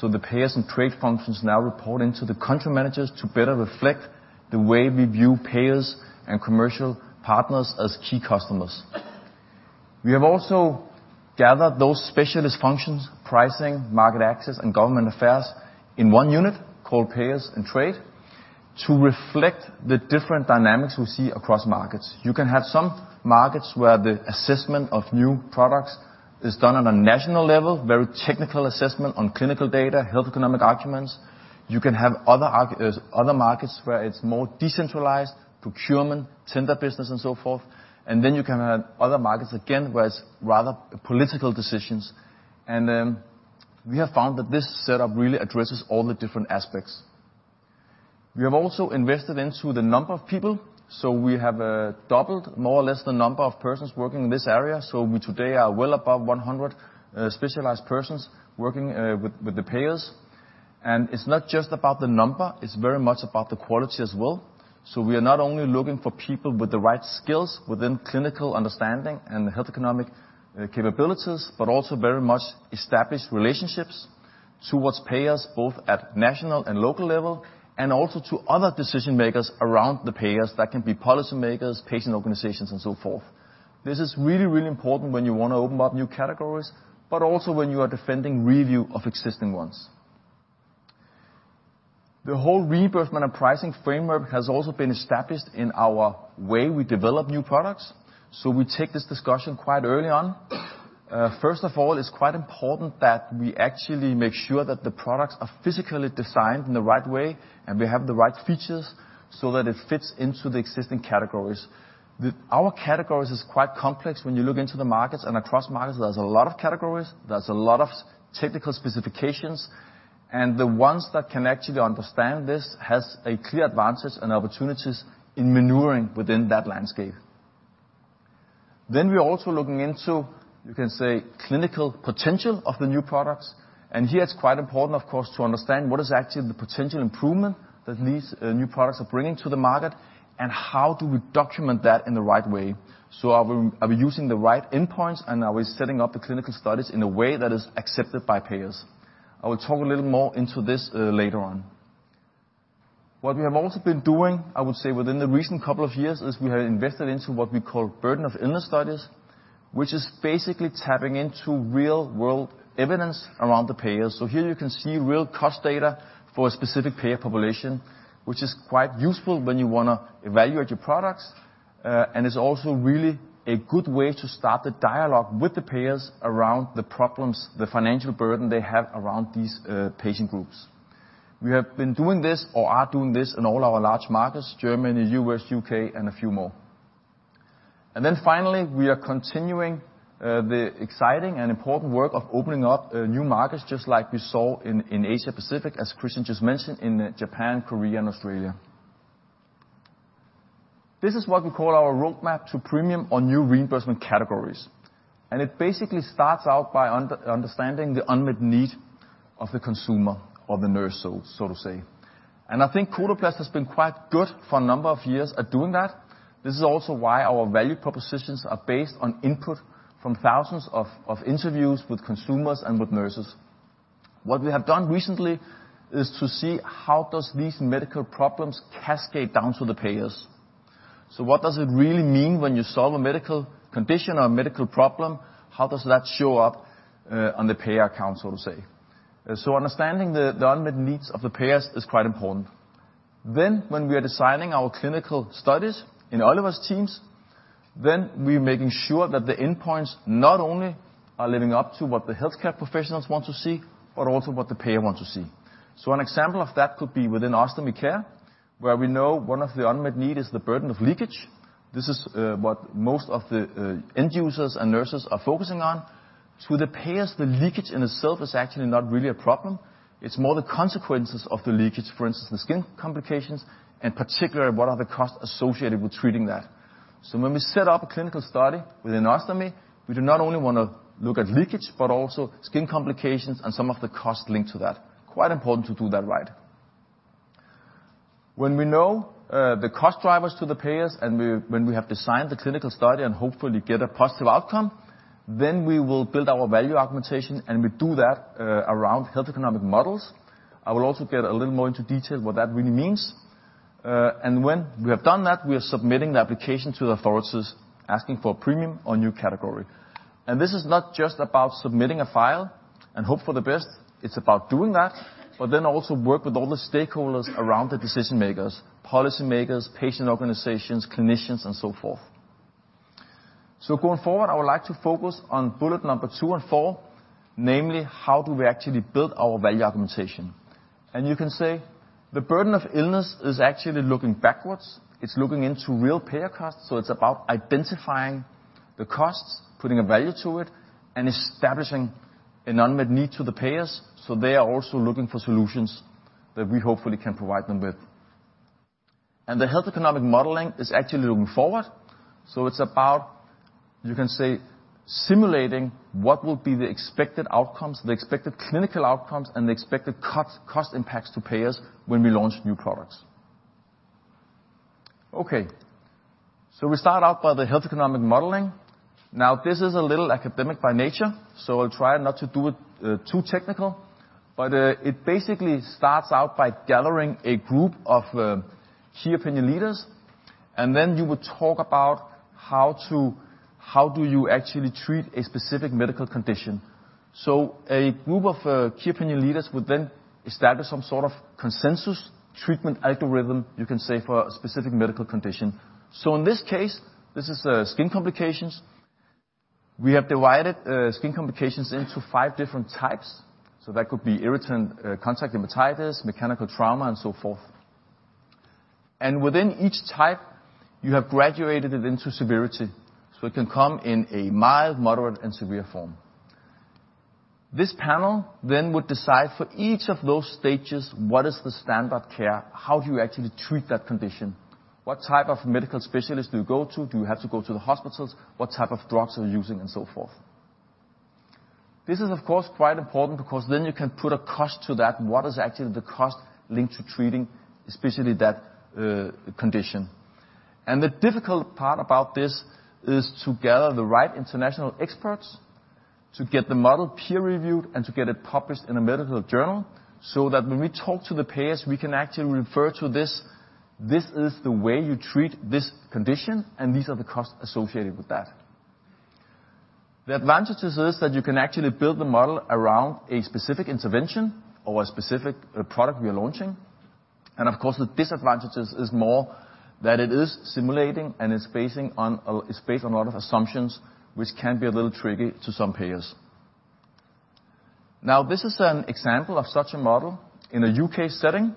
The Payers and Trade functions now report into the country managers to better reflect the way we view payers and commercial partners as key customers. We have also gathered those specialist functions, pricing, market access, and government affairs, in one unit, called Payers and Trade, to reflect the different dynamics we see across markets. You can have some markets where the assessment of new products is done on a national level, very technical assessment on clinical data, health economic arguments. You can have other markets where it's more decentralized, procurement, tender business, and so forth. Then you can have other markets, again, where it's rather political decisions. We have found that this setup really addresses all the different aspects. We have also invested into the number of people, we have doubled more or less the number of persons working in this area. We today are well above 100 specialized persons working with the Payers. It's not just about the number, it's very much about the quality as well. We are not only looking for people with the right skills within clinical understanding and the health economic capabilities, but also very much established relationships towards Payers, both at national and local level, and also to other decision makers around the Payers. That can be policy makers, patient organizations, and so forth. This is really, really important when you want to open up new categories, but also when you are defending review of existing ones. The whole reimbursement and pricing framework has also been established in our way we develop new products, so we take this discussion quite early on. First of all, it's quite important that we actually make sure that the products are physically designed in the right way and we have the right features so that it fits into the existing categories. With our categories, it's quite complex when you look into the markets, and across markets, there's a lot of categories, there's a lot of technical specifications, and the ones that can actually understand this has a clear advantage and opportunities in maneuvering within that landscape. We are also looking into, you can say, clinical potential of the new products. Here, it's quite important, of course, to understand what is actually the potential improvement that these new products are bringing to the market, and how do we document that in the right way. Are we using the right endpoints, and are we setting up the clinical studies in a way that is accepted by payers? I will talk a little more into this later on. What we have also been doing, I would say, within the recent couple of years, is we have invested into what we call burden of illness studies, which is basically tapping into real-world evidence around the payers. Here you can see real cost data for a specific payer population, which is quite useful when you wanna evaluate your products, and it's also really a good way to start the dialogue with the payers around the problems, the financial burden they have around these patient groups. We have been doing this, or are doing this, in all our large markets, Germany, U.S., U.K., and a few more. Finally, we are continuing the exciting and important work of opening up new markets, just like we saw in Asia Pacific, as Kristian just mentioned, in Japan, Korea, and Australia. This is what we call our roadmap to premium on new reimbursement categories, and it basically starts out by understanding the unmet need of the consumer or the nurse, so to say. I think Coloplast has been quite good for a number of years at doing that. This is also why our value propositions are based on input from thousands of interviews with consumers and with nurses. What we have done recently is to see how does these medical problems cascade down to the payers? What does it really mean when you solve a medical condition or a medical problem? How does that show up on the payer account, so to say? Understanding the unmet needs of the payers is quite important. When we are designing our clinical studies in all of our teams, then we're making sure that the endpoints not only are living up to what the healthcare professionals want to see, but also what the payer want to see. An example of that could be within Ostomy Care, where we know one of the unmet need is the burden of leakage. This is what most of the end users and nurses are focusing on. To the payers, the leakage in itself is actually not really a problem, it's more the consequences of the leakage, for instance, the skin complications, and particularly, what are the costs associated with treating that? When we set up a clinical study with an ostomy, we do not only wanna look at leakage, but also skin complications and some of the costs linked to that. Quite important to do that right. When we know the cost drivers to the payers, and when we have designed the clinical study, and hopefully get a positive outcome, then we will build our value argumentation, and we do that around health economic models. I will also get a little more into detail what that really means. When we have done that, we are submitting the application to the authorities, asking for a premium or new category. This is not just about submitting a file and hope for the best, it's about doing that, but then also work with all the stakeholders around the decision makers, policy makers, patient organizations, clinicians, and so forth. Going forward, I would like to focus on bullet number two and four, namely, how do we actually build our value argumentation? You can say, the burden of illness is actually looking backwards. It's looking into real payer costs, so it's about identifying the costs, putting a value to it, and establishing an unmet need to the payers, so they are also looking for solutions that we hopefully can provide them with. The health economic modeling is actually looking forward, so it's about, you can say, simulating what will be the expected outcomes, the expected clinical outcomes, and the expected cost impacts to payers when we launch new products. Okay, we start out by the health economic modeling. Now, this is a little academic by nature, so I'll try not to do it too technical, but it basically starts out by gathering a group of key opinion leaders, and then you would talk about how do you actually treat a specific medical condition? A group of key opinion leaders would then establish some sort of consensus treatment algorithm, you can say, for a specific medical condition. In this case, this is skin complications. We have divided skin complications into five different types, so that could be irritant contact dermatitis, mechanical trauma, and so forth. Within each type, you have graduated it into severity, so it can come in a mild, moderate, and severe form. This panel then would decide for each of those stages, what is the standard care? How do you actually treat that condition? What type of medical specialist do you go to? Do you have to go to the hospitals? What type of drugs are you using, and so forth. This is, of course, quite important, because then you can put a cost to that. What is actually the cost linked to treating, especially that condition? The difficult part about this is to gather the right international experts, to get the model peer-reviewed, and to get it published in a medical journal, so that when we talk to the payers, we can actually refer to this. This is the way you treat this condition, and these are the costs associated with that. The advantages is that you can actually build the model around a specific intervention or a specific product we are launching. Of course, the disadvantages is more that it is simulating and is based on a lot of assumptions, which can be a little tricky to some payers. This is an example of such a model in a U.K. setting,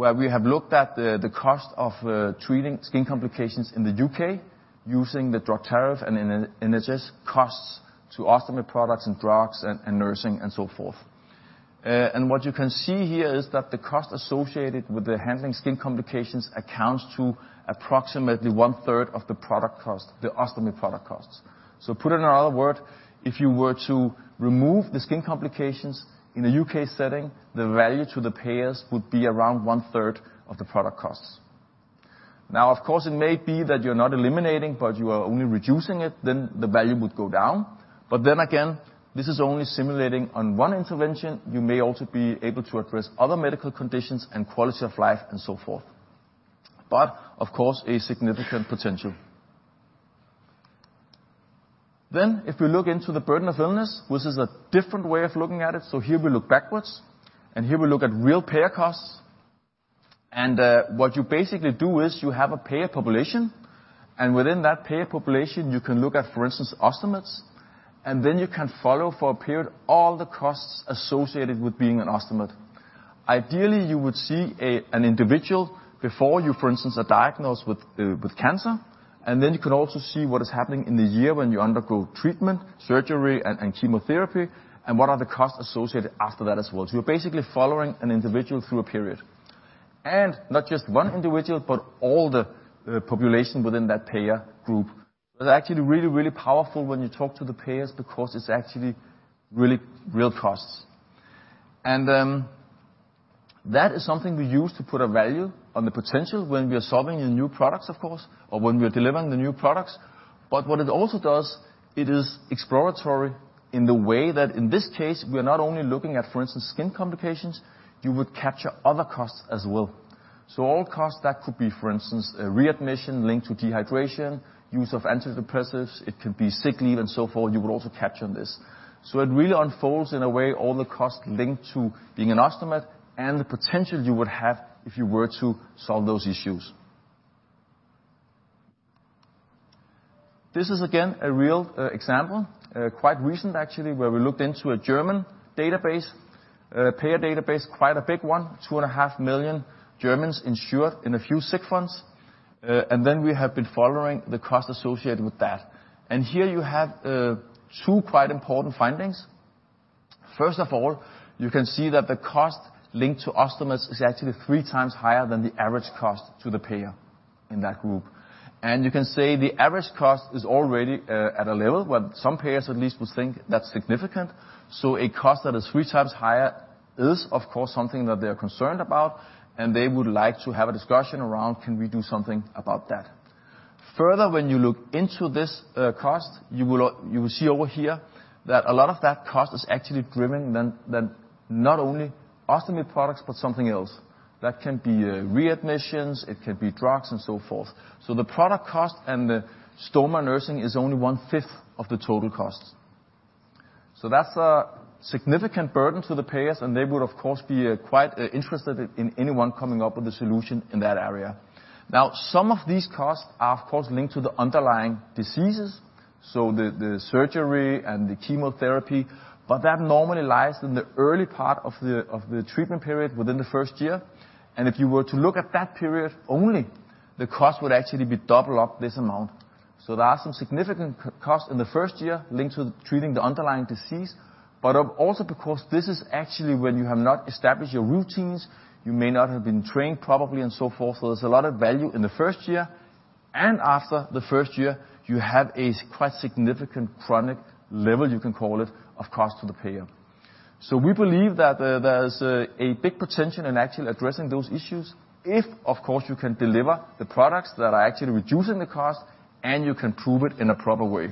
where we have looked at the cost of treating skin complications in the U.K., using the Drug Tariff and then NHS costs to ostomy products and drugs and nursing and so forth. What you can see here is that the cost associated with the handling skin complications accounts to approximately one third of the product cost, the ostomy product costs. Put in another word, if you were to remove the skin complications in a U.K. setting, the value to the payers would be around one third of the product costs. If you're not eliminating, but you are only reducing it, then the value would go down. Again, this is only simulating on one intervention. You may also be able to address other medical conditions and quality of life, and so forth. Of course, a significant potential. If we look into the burden of illness, which is a different way of looking at it, here we look backwards, and here we look at real payer costs. What you basically do is you have a payer population, and within that payer population, you can look at, for instance, ostomates, and then you can follow for a period all the costs associated with being an ostomate. Ideally, you would see an individual before you, for instance, are diagnosed with cancer, and then you can also see what is happening in the year when you undergo treatment, surgery, and chemotherapy, and what are the costs associated after that as well. You're basically following an individual through a period. Not just one individual, but all the population within that payer group. It's actually really, really powerful when you talk to the payers because it's actually really real costs. That is something we use to put a value on the potential when we are solving the new products, of course, or when we are delivering the new products. What it also does, it is exploratory in the way that in this case, we are not only looking at, for instance, skin complications, you would capture other costs as well. All costs that could be, for instance, a readmission linked to dehydration, use of antidepressants, it could be sick leave, and so forth, you would also capture on this. It really unfolds in a way, all the costs linked to being an ostomate and the potential you would have if you were to solve those issues. This is, again, a real example, quite recent actually, where we looked into a German database, payer database, quite a big one, 2.5 million Germans insured in a few sick funds. We have been following the cost associated with that. Here you have two quite important findings. First of all, you can see that the cost linked to ostomates is actually three times higher than the average cost to the payer in that group. You can say the average cost is already at a level where some payers at least would think that's significant. A cost that is 3x higher is, of course, something that they are concerned about, and they would like to have a discussion around, can we do something about that? Further, when you look into this cost, you will see over here that a lot of that cost is actually driven than not only ostomy products, but something else. That can be readmissions, it can be drugs, and so forth. The product cost and the stoma nursing is only one fifth of the total cost. That's a significant burden to the payers, and they would, of course, be quite interested in anyone coming up with a solution in that area. Now, some of these costs are, of course, linked to the underlying diseases, so the surgery and the chemotherapy, but that normally lies in the early part of the treatment period within the first year. If you were to look at that period only, the cost would actually be double up this amount. There are some significant costs in the first year linked with treating the underlying disease, but also because this is actually when you have not established your routines, you may not have been trained properly and so forth. There's a lot of value in the first year, and after the first year, you have a quite significant chronic level, you can call it, of cost to the payer. We believe that there's a big potential in actually addressing those issues, if, of course, you can deliver the products that are actually reducing the cost, and you can prove it in a proper way.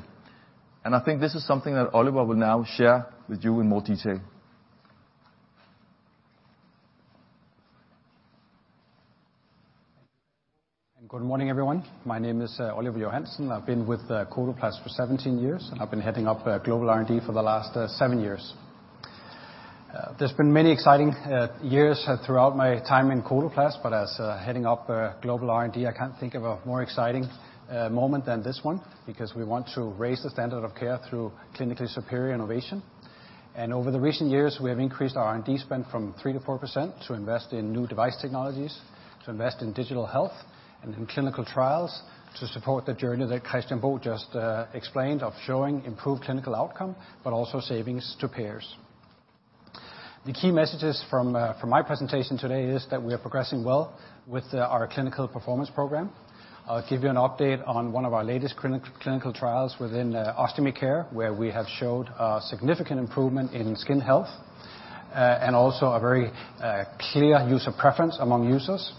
I think this is something that Oliver will now share with you in more detail. Good morning, everyone. My name is Oliver Johansen. I've been with Coloplast for 17 years, and I've been heading up Global R&D for the last 7 years. There's been many exciting years throughout my time in Coloplast, but as heading up Global R&D, I can't think of a more exciting moment than this one, because we want to raise the standard of care through clinically superior innovation. Over the recent years, we have increased our R&D spend from 3%-4% to invest in new device technologies, to invest in digital health and in clinical trials, to support the journey that Christian Bo just explained of showing improved clinical outcome, but also savings to payers. The key messages from my presentation today is that we are progressing well with our clinical performance program. I'll give you an update on one of our latest clinical trials within Ostomy Care, where we have showed a significant improvement in skin health and also a very clear use of preference among users.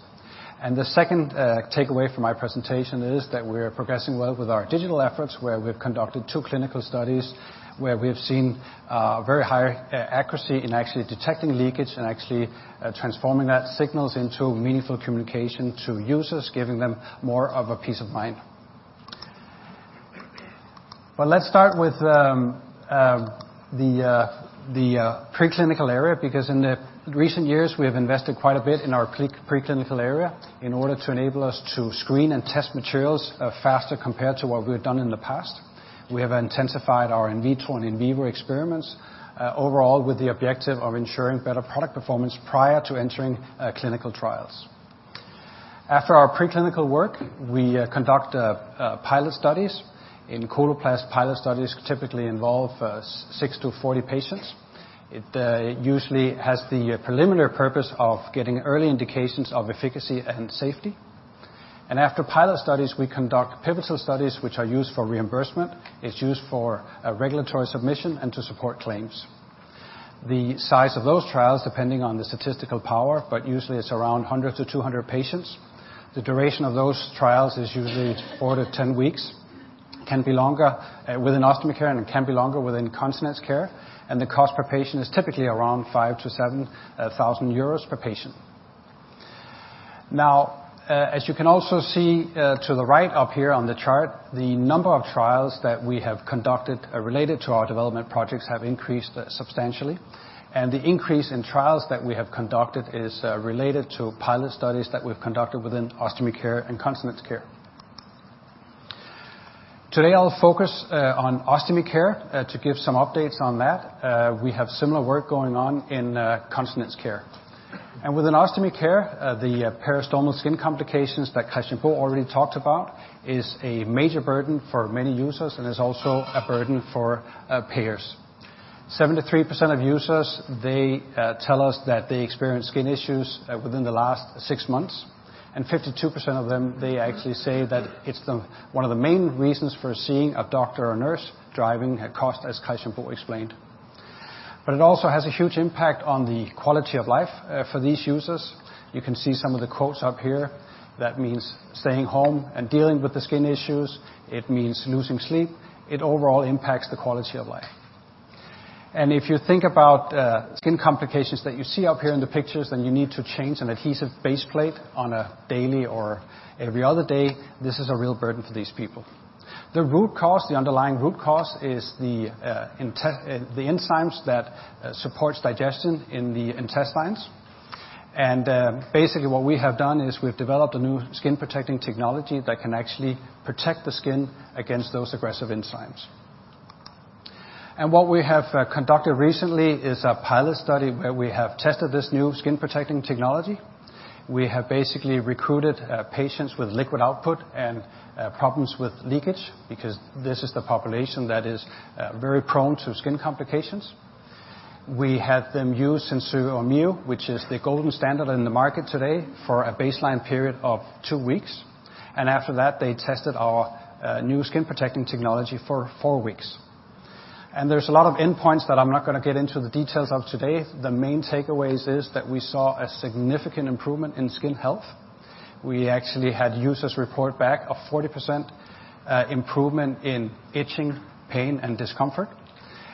The second takeaway from my presentation is that we are progressing well with our digital efforts, where we've conducted two clinical studies, where we have seen very high accuracy in actually detecting leakage and actually transforming that signals into meaningful communication to users, giving them more of a peace of mind. Let's start with the preclinical area, because in the recent years, we have invested quite a bit in our preclinical area in order to enable us to screen and test materials faster compared to what we have done in the past. We have intensified our in vitro and in vivo experiments, overall, with the objective of ensuring better product performance prior to entering clinical trials. After our preclinical work, we conduct pilot studies. In Coloplast, pilot studies typically involve six to 40 patients. It usually has the preliminary purpose of getting early indications of efficacy and safety. After pilot studies, we conduct pivotal studies, which are used for reimbursement. It's used for a regulatory submission and to support claims. The size of those trials, depending on the statistical power, but usually it's around 100 to 200 patients. The duration of those trials is usually four to 10 weeks, can be longer within Ostomy Care, and it can be longer within in Continence Care. The cost per patient is typically around 5,000-7,000 euros per patient. Now, as you can also see, to the right up here on the chart, the number of trials that we have conducted, related to our development projects, have increased substantially. The increase in trials that we have conducted is related to pilot studies that we've conducted within Ostomy Care and Continence Care. today, I'll focus on Ostomy Care to give some updates on that. We have similar work going on in Continence Care. Within Ostomy Care, the peristomal skin complications that Christian Bo already talked about, is a major burden for many users and is also a burden for payers. 73% of users, they tell us that they experienced skin issues within the last six months, and 52% of them, they actually say that it's one of the main reasons for seeing a doctor or nurse, driving a cost, as Christian Bo explained. It also has a huge impact on the quality of life for these users. You can see some of the quotes up here. That means staying home and dealing with the skin issues. It means losing sleep. It overall impacts the quality of life. If you think about skin complications that you see up here in the pictures, and you need to change an adhesive baseplate on a daily or every other day, this is a real burden for these people. The root cause, the underlying root cause, is the enzymes that supports digestion in the intestines. Basically, what we have done is we've developed a new skin-protecting technology that can actually protect the skin against those aggressive enzymes. What we have conducted recently is a pilot study where we have tested this new skin-protecting technology. We have basically recruited patients with liquid output and problems with leakage, because this is the population that is very prone to skin complications. We had them use SenSura Mio, which is the golden standard in the market today, for a baseline period of two weeks, and after that, they tested our new skin-protecting technology for four weeks. There's a lot of endpoints that I'm not gonna get into the details of today. The main takeaways is that we saw a significant improvement in skin health. We actually had users report back a 40% improvement in itching, pain, and discomfort,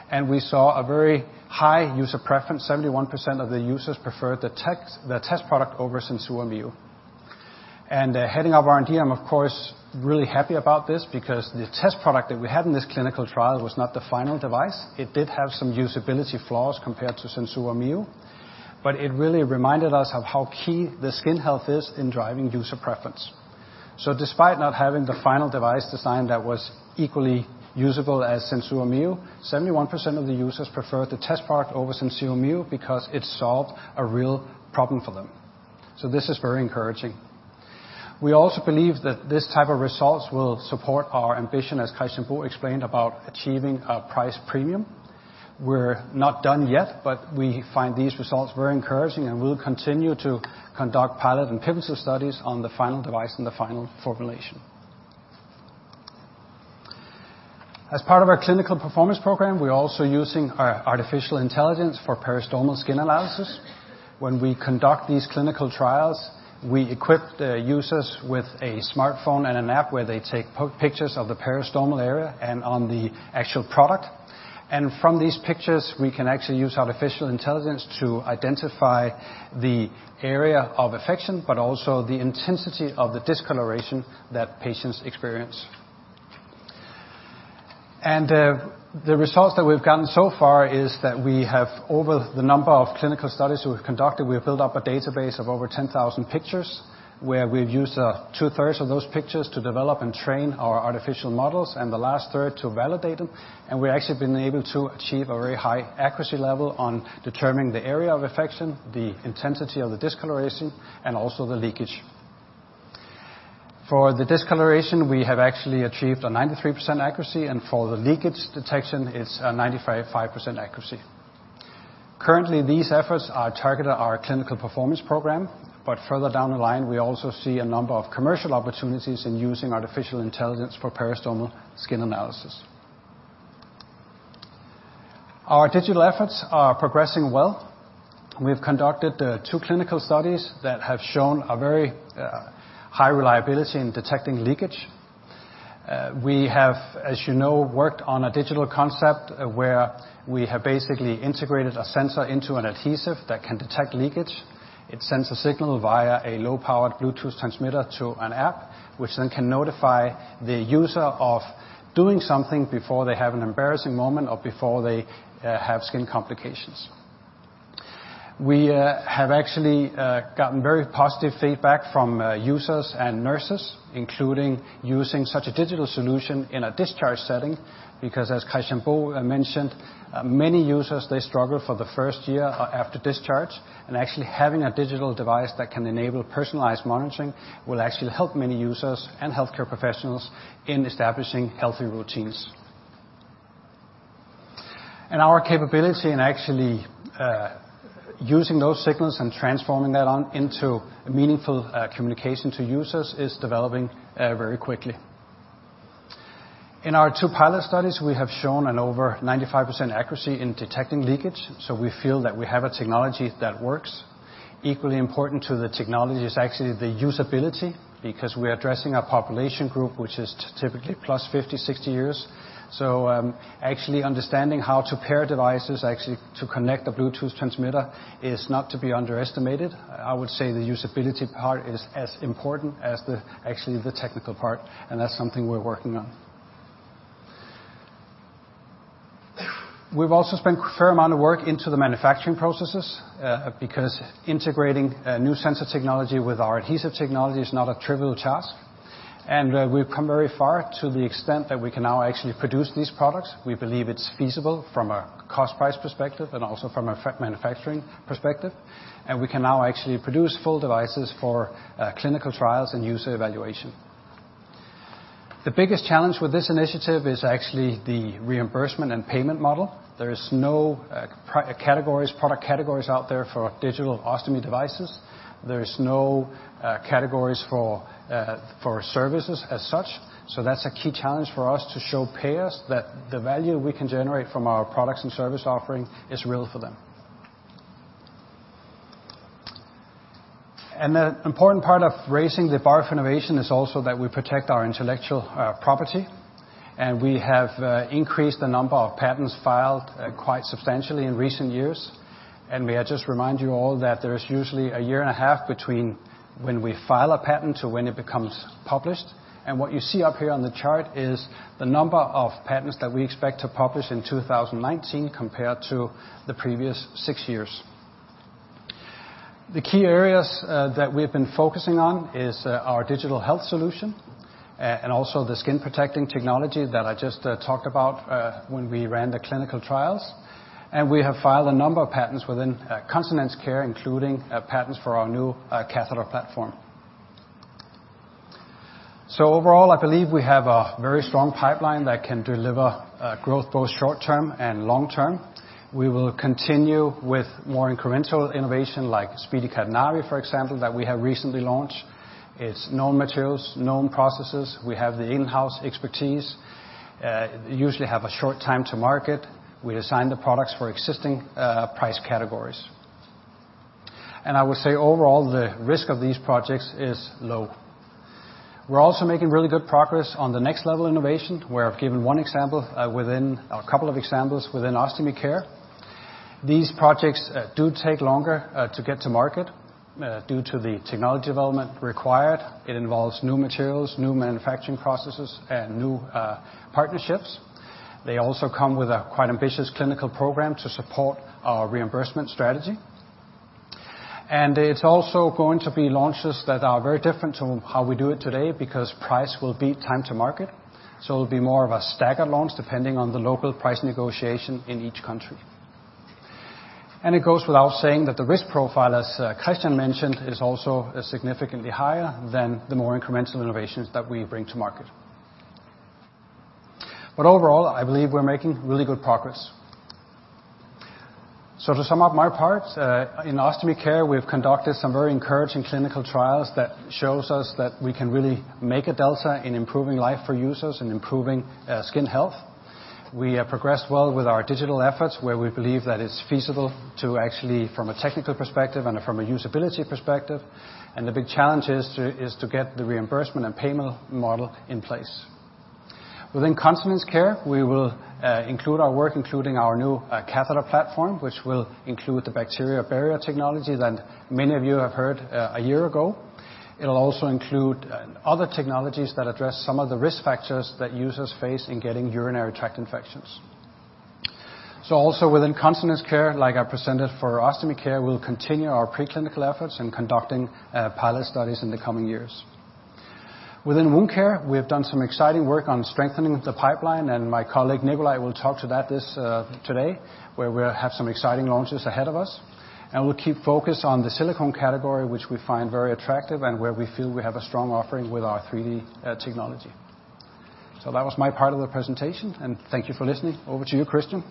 and we saw a very high user preference. 71% of the users preferred the test product over SenSura Mio. Heading up R&D, I'm of course, really happy about this because the test product that we had in this clinical trial was not the final device. It did have some usability flaws compared to SenSura Mio, it really reminded us of how key the skin health is in driving user preference. Despite not having the final device design that was equally usable as SenSura Mio, 71% of the users preferred the test product over SenSura Mio because it solved a real problem for them. This is very encouraging. We also believe that this type of results will support our ambition, as Christian Bo explained, about achieving a price premium. We're not done yet, but we find these results very encouraging, and we'll continue to conduct pilot and pivotal studies on the final device and the final formulation. As part of our clinical performance program, we're also using our artificial intelligence for peristomal skin analysis. When we conduct these clinical trials, we equip the users with a smartphone and an app where they take pictures of the peristomal area and on the actual product. From these pictures, we can actually use artificial intelligence to identify the area of affection, but also the intensity of the discoloration that patients experience. The results that we've gotten so far is that we have, over the number of clinical studies we've conducted, we have built up a database of over 10,000 pictures, where we've used two-thirds of those pictures to develop and train our artificial models and the last third to validate them. We've actually been able to achieve a very high accuracy level on determining the area of affection, the intensity of the discoloration, and also the leakage. For the discoloration, we have actually achieved a 93% accuracy, and for the leakage detection, it's a 95% accuracy. Currently, these efforts are targeted our clinical performance program, but further down the line, we also see a number of commercial opportunities in using artificial intelligence for peristomal skin analysis. Our digital efforts are progressing well. We have conducted two clinical studies that have shown a very high reliability in detecting leakage. We have, as you know, worked on a digital concept where we have basically integrated a sensor into an adhesive that can detect leakage. It sends a signal via a low-powered Bluetooth transmitter to an app, which then can notify the user of doing something before they have an embarrassing moment or before they have skin complications. We have actually gotten very positive feedback from users and nurses, including using such a digital solution in a discharge setting, because as Christian Bo mentioned, many users, they struggle for the first year after discharge. Having a digital device that can enable personalized monitoring will actually help many users and healthcare professionals in establishing healthy routines. Our capability in actually using those signals and transforming that on into a meaningful communication to users is developing very quickly. In our two pilot studies, we have shown an over 95% accuracy in detecting leakage, so we feel that we have a technology that works. Equally important to the technology is actually the usability, because we are addressing a population group which is typically +50, 60 years. Actually understanding how to pair devices, actually to connect a Bluetooth transmitter, is not to be underestimated. I would say the usability part is as important as the actually the technical part, and that's something we're working on. We've also spent a fair amount of work into the manufacturing processes because integrating new sensor technology with our adhesive technology is not a trivial task. We've come very far to the extent that we can now actually produce these products. We believe it's feasible from a cost price perspective and also from a manufacturing perspective, and we can now actually produce full devices for clinical trials and user evaluation. The biggest challenge with this initiative is actually the reimbursement and payment model. There is no product categories out there for digital ostomy devices. There is no categories for services as such, that's a key challenge for us to show payers that the value we can generate from our products and service offering is real for them. An important part of raising the bar of innovation is also that we protect our intellectual property, and we have increased the number of patents filed quite substantially in recent years. May I just remind you all that there is usually a year and a half between when we file a patent to when it becomes published, and what you see up here on the chart is the number of patents that we expect to publish in 2019 compared to the previous six years. The key areas that we've been focusing on is our digital health solution, and also the skin protecting technology that I just talked about when we ran the clinical trials. We have filed a number of patents within Continence Care, including patents for our new catheter platform. Overall, I believe we have a very strong pipeline that can deliver growth, both short term and long term. We will continue with more incremental innovation, like SpeediCath Navi, for example, that we have recently launched. It's known materials, known processes. We have the in-house expertise, usually have a short time to market. We design the products for existing price categories. I would say overall, the risk of these projects is low. We're also making really good progress on the next level of innovation, where I've given one example, a couple of examples within Ostomy Care. These projects do take longer to get to market due to the technology development required. It involves new materials, new manufacturing processes, and new partnerships. They also come with a quite ambitious clinical program to support our reimbursement strategy. It's also going to be launches that are very different to how we do it today, because price will beat time to market, so it'll be more of a staggered launch, depending on the local price negotiation in each country. It goes without saying that the risk profile, as Christian mentioned, is also significantly higher than the more incremental innovations that we bring to market. Overall, I believe we're making really good progress. To sum up my part, in Ostomy Care, we've conducted some very encouraging clinical trials that shows us that we can really make a delta in improving life for users and improving, skin health. We have progressed well with our digital efforts, where we believe that it's feasible to actually, from a technical perspective and from a usability perspective, and the big challenge is to, is to get the reimbursement and payment model in place. Within Continence Care, we will include our work, including our new catheter platform, which will include the bacteria barrier technology that many of you have heard a year ago. It'll also include other technologies that address some of the risk factors that users face in getting urinary tract infections. Also within Continence Care, like I presented for Ostomy Care, we'll continue our preclinical efforts in conducting pilot studies in the coming years. Within Wound Care, we have done some exciting work on strengthening the pipeline. My colleague, Nicolai, will talk to that this today, where we'll have some exciting launches ahead of us. We'll keep focused on the silicone category, which we find very attractive, and where we feel we have a strong offering with our 3D technology. That was my part of the presentation, and thank you for listening. Over to you, Kristian.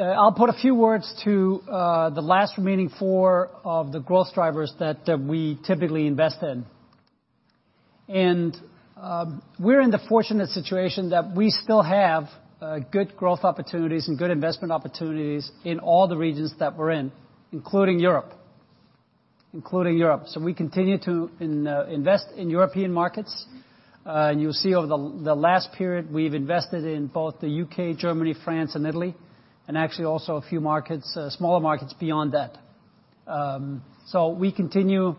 I'll put a few words to the last remaining four of the growth drivers that we typically invest in. We're in the fortunate situation that we still have good growth opportunities and good investment opportunities in all the regions that we're in, including Europe. Including Europe, we continue to invest in European markets. You'll see over the last period, we've invested in both the U.K., Germany, France, and Italy, and actually also a few markets, smaller markets beyond that. We continue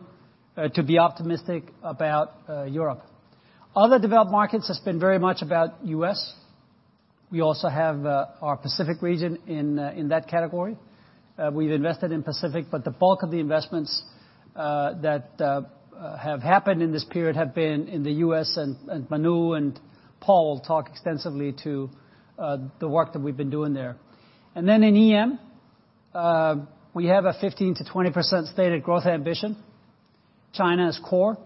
to be optimistic about Europe. Other developed markets has been very much about U.S. We also have our Pacific region in that category. We've invested in Pacific, but the bulk of the investments that have happened in this period have been in the U.S., and Manu and Paul talk extensively to the work that we've been doing there. In EM, we have a 15%-20% stated growth ambition. China is core,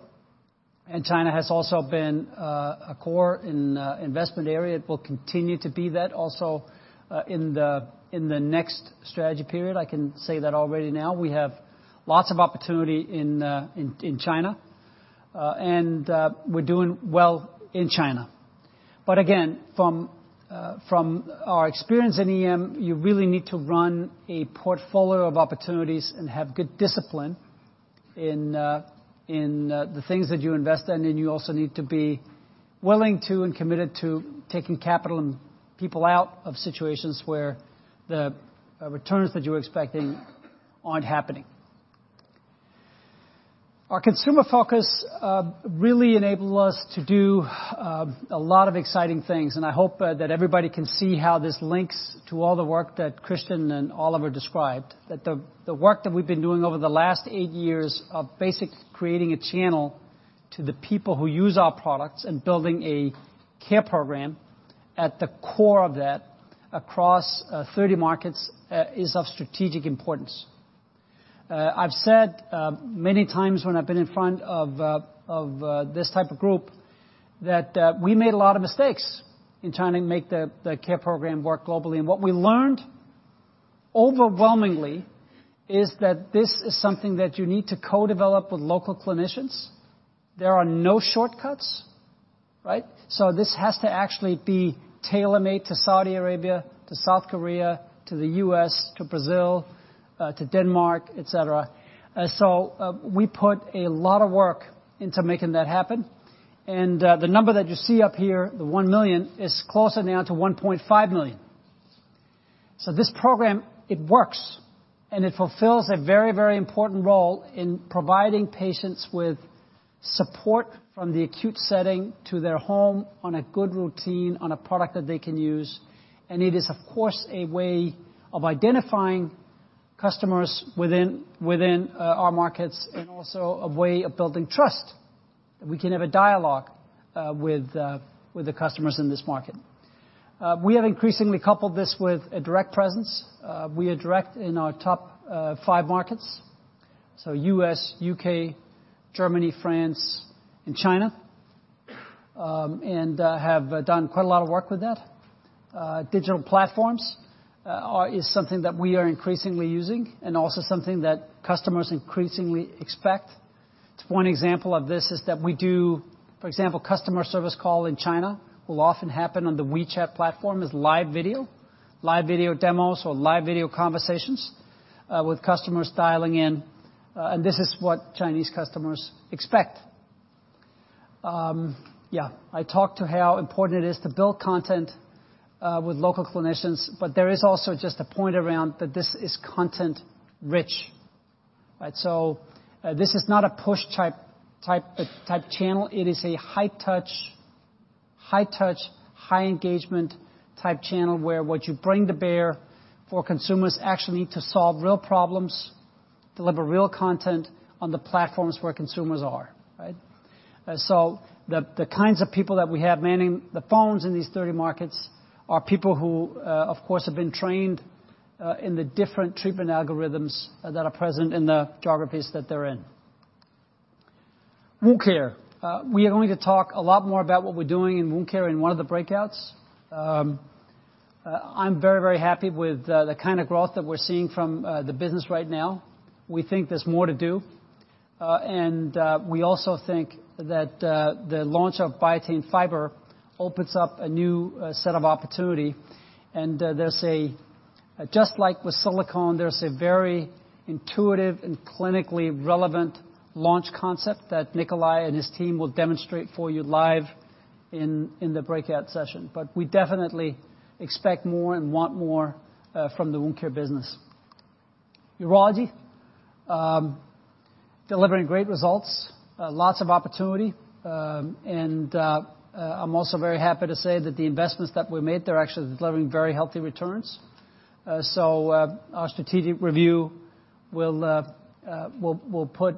China has also been a core in investment area. It will continue to be that also in the next strategy period. I can say that already now. We have lots of opportunity in in China, we're doing well in China. Again, from our experience in EM, you really need to run a portfolio of opportunities and have good discipline in in the things that you invest in. You also need to be willing to and committed to taking capital and people out of situations where the returns that you're expecting aren't happening. Our consumer focus really enabled us to do a lot of exciting things, and I hope that everybody can see how this links to all the work that Kristian and Oliver described. The work that we've been doing over the last eight years of basically creating a channel to the people who use our products and building a care program at the core of that, across 30 markets, is of strategic importance. I've said many times when I've been in front of this type of group, that we made a lot of mistakes in trying to make the care program work globally. What we learned, overwhelmingly, is that this is something that you need to co-develop with local clinicians. There are no shortcuts, right? This has to actually be tailor-made to Saudi Arabia, to South Korea, to the U.S., to Brazil, to Denmark, et cetera. We put a lot of work into making that happen, and the number that you see up here, the 1 million, is closer now to 1.5 million. This program, it works, and it fulfills a very, very important role in providing patients with support from the acute setting to their home on a good routine, on a product that they can use, and it is, of course, a way of identifying customers within our markets, and also a way of building trust. We can have a dialogue with the customers in this market. We have increasingly coupled this with a direct presence. We are direct in our top five markets, so U.S., U.K., Germany, France, and China. Have done quite a lot of work with that. Digital platforms is something that we are increasingly using, and also something that customers increasingly expect. One example of this is that we do, for example, customer service call in China, will often happen on the WeChat platform, as live video. Live video demos or live video conversations with customers dialing in, and this is what Chinese customers expect. Yeah, I talked to how important it is to build content with local clinicians, but there is also just a point around that this is content rich, right? This is not a push type channel. It is a high touch, high touch, high engagement type channel, where what you bring to bear for consumers actually to solve real problems, deliver real content on the platforms where consumers are, right? The kinds of people that we have manning the phones in these 30 markets are people who, of course, have been trained in the different treatment algorithms that are present in the geographies that they're in. Wound Care. We are going to talk a lot more about what we're doing in Wound Care in one of the breakouts. I'm very, very happy with the kind of growth that we're seeing from the business right now. We think there's more to do. We also think that the launch of Biatain Fiber opens up a new set of opportunity, and Just like with silicone, there's a very intuitive and clinically relevant launch concept that Nicolai and his team will demonstrate for you live in the breakout session. We definitely expect more and want more from the Wound Care business. Urology, delivering great results, lots of opportunity, and I'm also very happy to say that the investments that we made, they're actually delivering very healthy returns. Our strategic review will put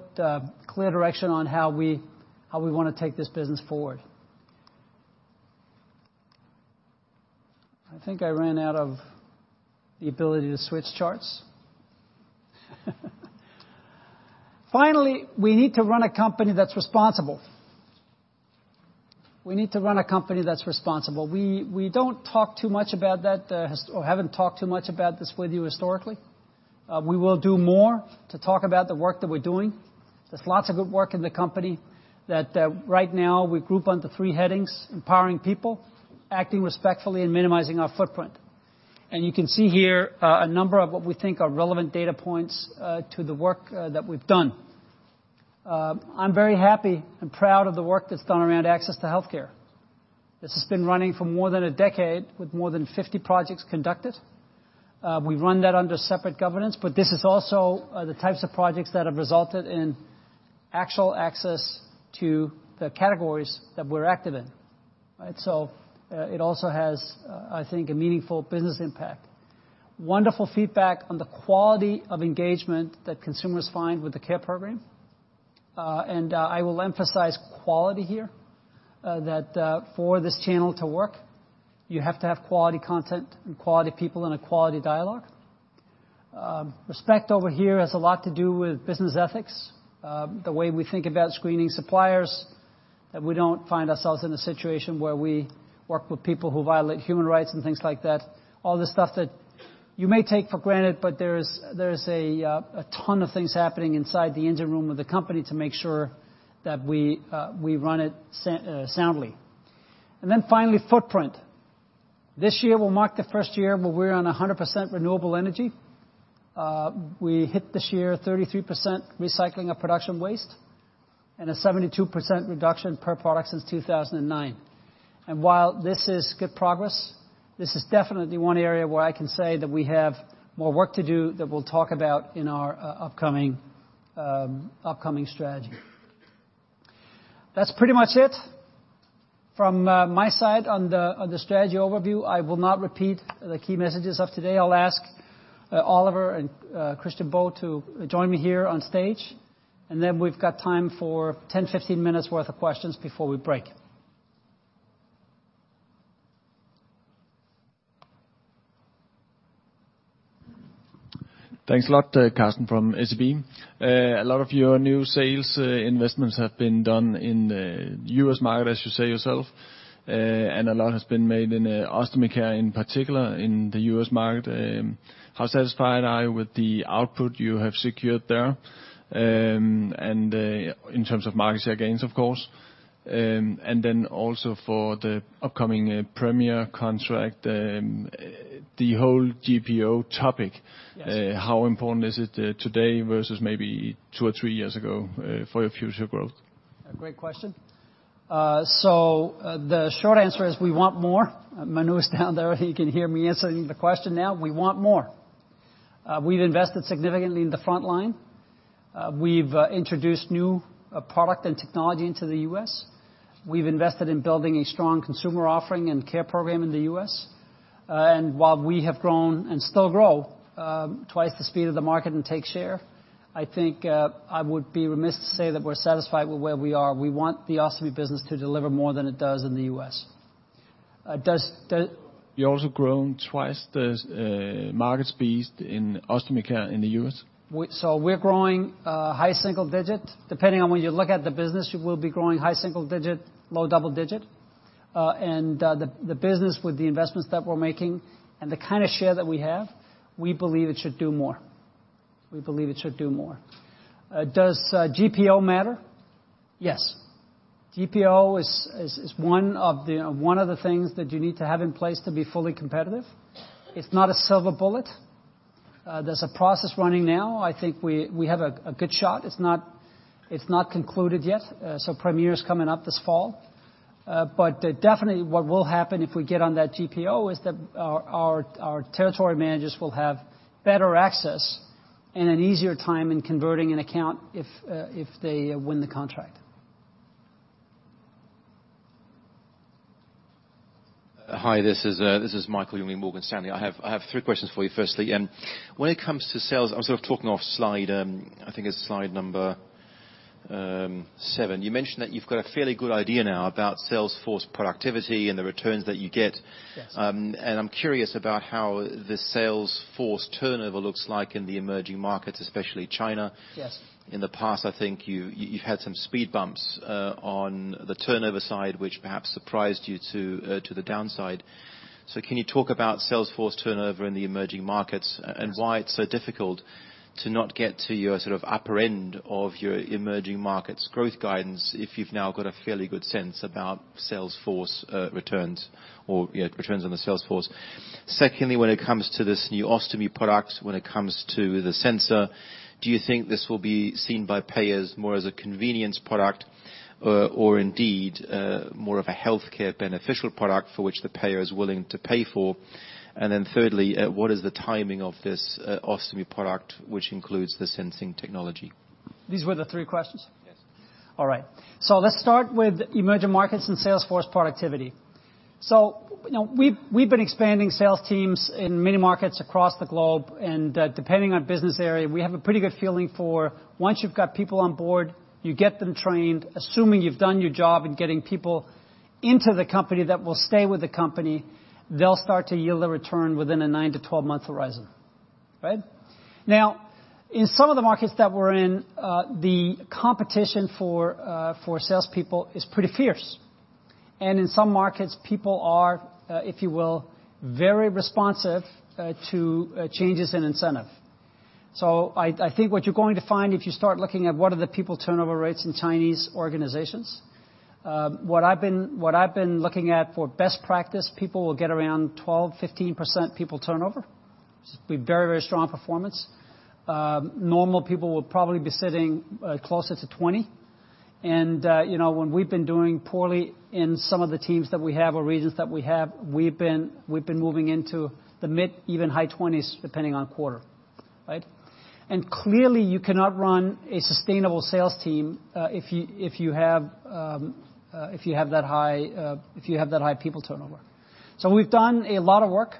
clear direction on how we, how we want to take this business forward. I think I ran out of the ability to switch charts. Finally, we need to run a company that's responsible. We need to run a company that's responsible. We don't talk too much about that, or haven't talked too much about this with you historically. We will do more to talk about the work that we're doing. There's lots of good work in the company that right now we group under three headings: empowering people, acting respectfully, and minimizing our footprint. You can see here, a number of what we think are relevant data points to the work that we've done. I'm very happy and proud of the work that's done around access to healthcare. This has been running for more than a decade, with more than 50 projects conducted. We run that under separate governance, but this is also the types of projects that have resulted in actual access to the categories that we're active in, right? It also has, I think, a meaningful business impact. Wonderful feedback on the quality of engagement that consumers find with the care program. I will emphasize quality here, that for this channel to work, you have to have quality content and quality people and a quality dialogue. Respect over here has a lot to do with business ethics, the way we think about screening suppliers, that we don't find ourselves in a situation where we work with people who violate human rights and things like that. All the stuff that you may take for granted, but there is a ton of things happening inside the engine room of the company to make sure that we run it soundly. Finally, footprint. This year will mark the first year where we're on 100% renewable energy. We hit this year, 33% recycling of production waste. And a 72% reduction per product since 2009. While this is good progress, this is definitely one area where I can say that we have more work to do, that we'll talk about in our upcoming strategy. That's pretty much it from my side on the strategy overview. I will not repeat the key messages of today. I'll ask Oliver and Christian Bo to join me here on stage, and then we've got time for 10-15 minutes worth of questions before we break. Thanks a lot, Carsten, from SEB. A lot of your new sales investments have been done in the U.S. market, as you say yourself, and a lot has been made in Ostomy Care, in particular, in the U.S. market. How satisfied are you with the output you have secured there, and in terms of market share gains, of course, and then also for the upcoming Premier contract, the whole GPO topic? Yes. How important is it today versus maybe two or three years ago for your future growth? A great question. The short answer is we want more. Manu is down there, he can hear me answering the question now. We want more. We've invested significantly in the front line. We've introduced new product and technology into the U.S. We've invested in building a strong consumer offering and care program in the U.S. While we have grown, and still grow, twice the speed of the market and take share, I would be remiss to say that we're satisfied with where we are. We want the Ostomy business to deliver more than it does in the U.S. does. You're also growing twice the market speed in Ostomy Care in the U.S.? We're growing, high single-digit. Depending on when you look at the business, we'll be growing high single-digit, low double-digit. The business with the investments that we're making and the kind of share that we have, we believe it should do more. We believe it should do more. Does GPO matter? Yes. GPO is one of the things that you need to have in place to be fully competitive. It's not a silver bullet. There's a process running now. I think we have a good shot. It's not concluded yet. Premier is coming up this fall. Definitely what will happen if we get on that GPO, is that our territory managers will have better access and an easier time in converting an account if they win the contract. Hi, this is Michael Jüngling, Morgan Stanley. I have three questions for you. Firstly, when it comes to sales, I'm sort of talking off slide, I think it's slide number seven. You mentioned that you've got a fairly good idea now about sales force productivity and the returns that you get. Yes. I'm curious about how the sales force turnover looks like in the emerging markets, especially China. Yes. In the past, I think you've had some speed bumps on the turnover side, which perhaps surprised you to the downside. Can you talk about sales force turnover in the emerging markets, and why it's so difficult to not get to your sort of upper end of your emerging markets growth guidance, if you've now got a fairly good sense about sales force returns or, yeah, returns on the sales force? Secondly, when it comes to this new ostomy product, when it comes to the sensor, do you think this will be seen by payers more as a convenience product or indeed more of a healthcare beneficial product, for which the payer is willing to pay for? Thirdly, what is the timing of this ostomy product, which includes the sensing technology? These were the three questions? Yes. All right. Let's start with emerging markets and sales force productivity. You know, we've been expanding sales teams in many markets across the globe, and depending on business area, we have a pretty good feeling for once you've got people on board, you get them trained. Assuming you've done your job in getting people into the company that will stay with the company, they'll start to yield a return within a nine-12 month horizon. Right? Now, in some of the markets that we're in, the competition for salespeople is pretty fierce, and in some markets, people are, if you will, very responsive to changes in incentive. I think what you're going to find, if you start looking at what are the people turnover rates in Chinese organizations, what I've been, what I've been looking at for best practice, people will get around 12%-15% people turnover. This would be very, very strong performance. Normal people will probably be sitting closer to 20%, and, you know, when we've been doing poorly in some of the teams that we have or regions that we have, we've been moving into the mid-20%s, even high 20%s, depending on quarter, right? Clearly, you cannot run a sustainable sales team, if you have that high people turnover. We've done a lot of work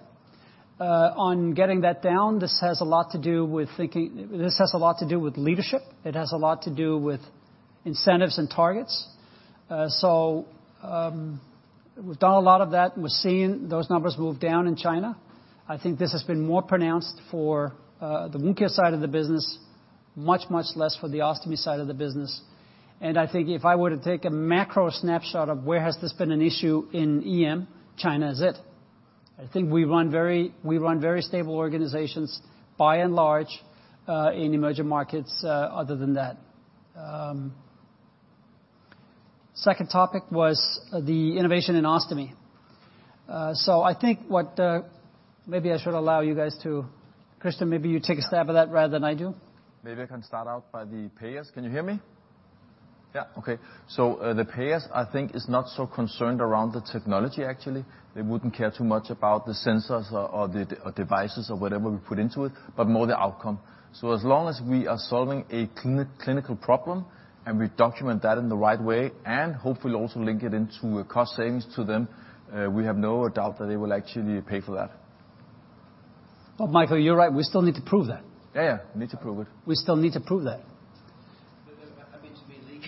on getting that down. This has a lot to do with thinking... This has a lot to do with leadership. It has a lot to do with incentives and targets. We've done a lot of that, and we're seeing those numbers move down in China. I think this has been more pronounced for the Wound Care side of the business. Much, much less for the Ostomy side of the business. I think if I were to take a macro snapshot of where has this been an issue in EM, China is it. I think we run very, we run very stable organizations, by and large, in emerging markets, other than that. Second topic was the innovation in ostomy. I think what, maybe I should allow you guys to, Christian, maybe you take a stab at that rather than I do? Maybe I can start out by the payers. Can you hear me? Yeah, okay. The payers, I think, is not so concerned around the technology, actually. They wouldn't care too much about the sensors or devices or whatever we put into it, but more the outcome. As long as we are solving a clinical problem, and we document that in the right way, and hopefully also link it into a cost savings to them, we have no doubt that they will actually pay for that. Michael, you're right, we still need to prove that. Yeah, yeah, need to prove it. We still need to prove that.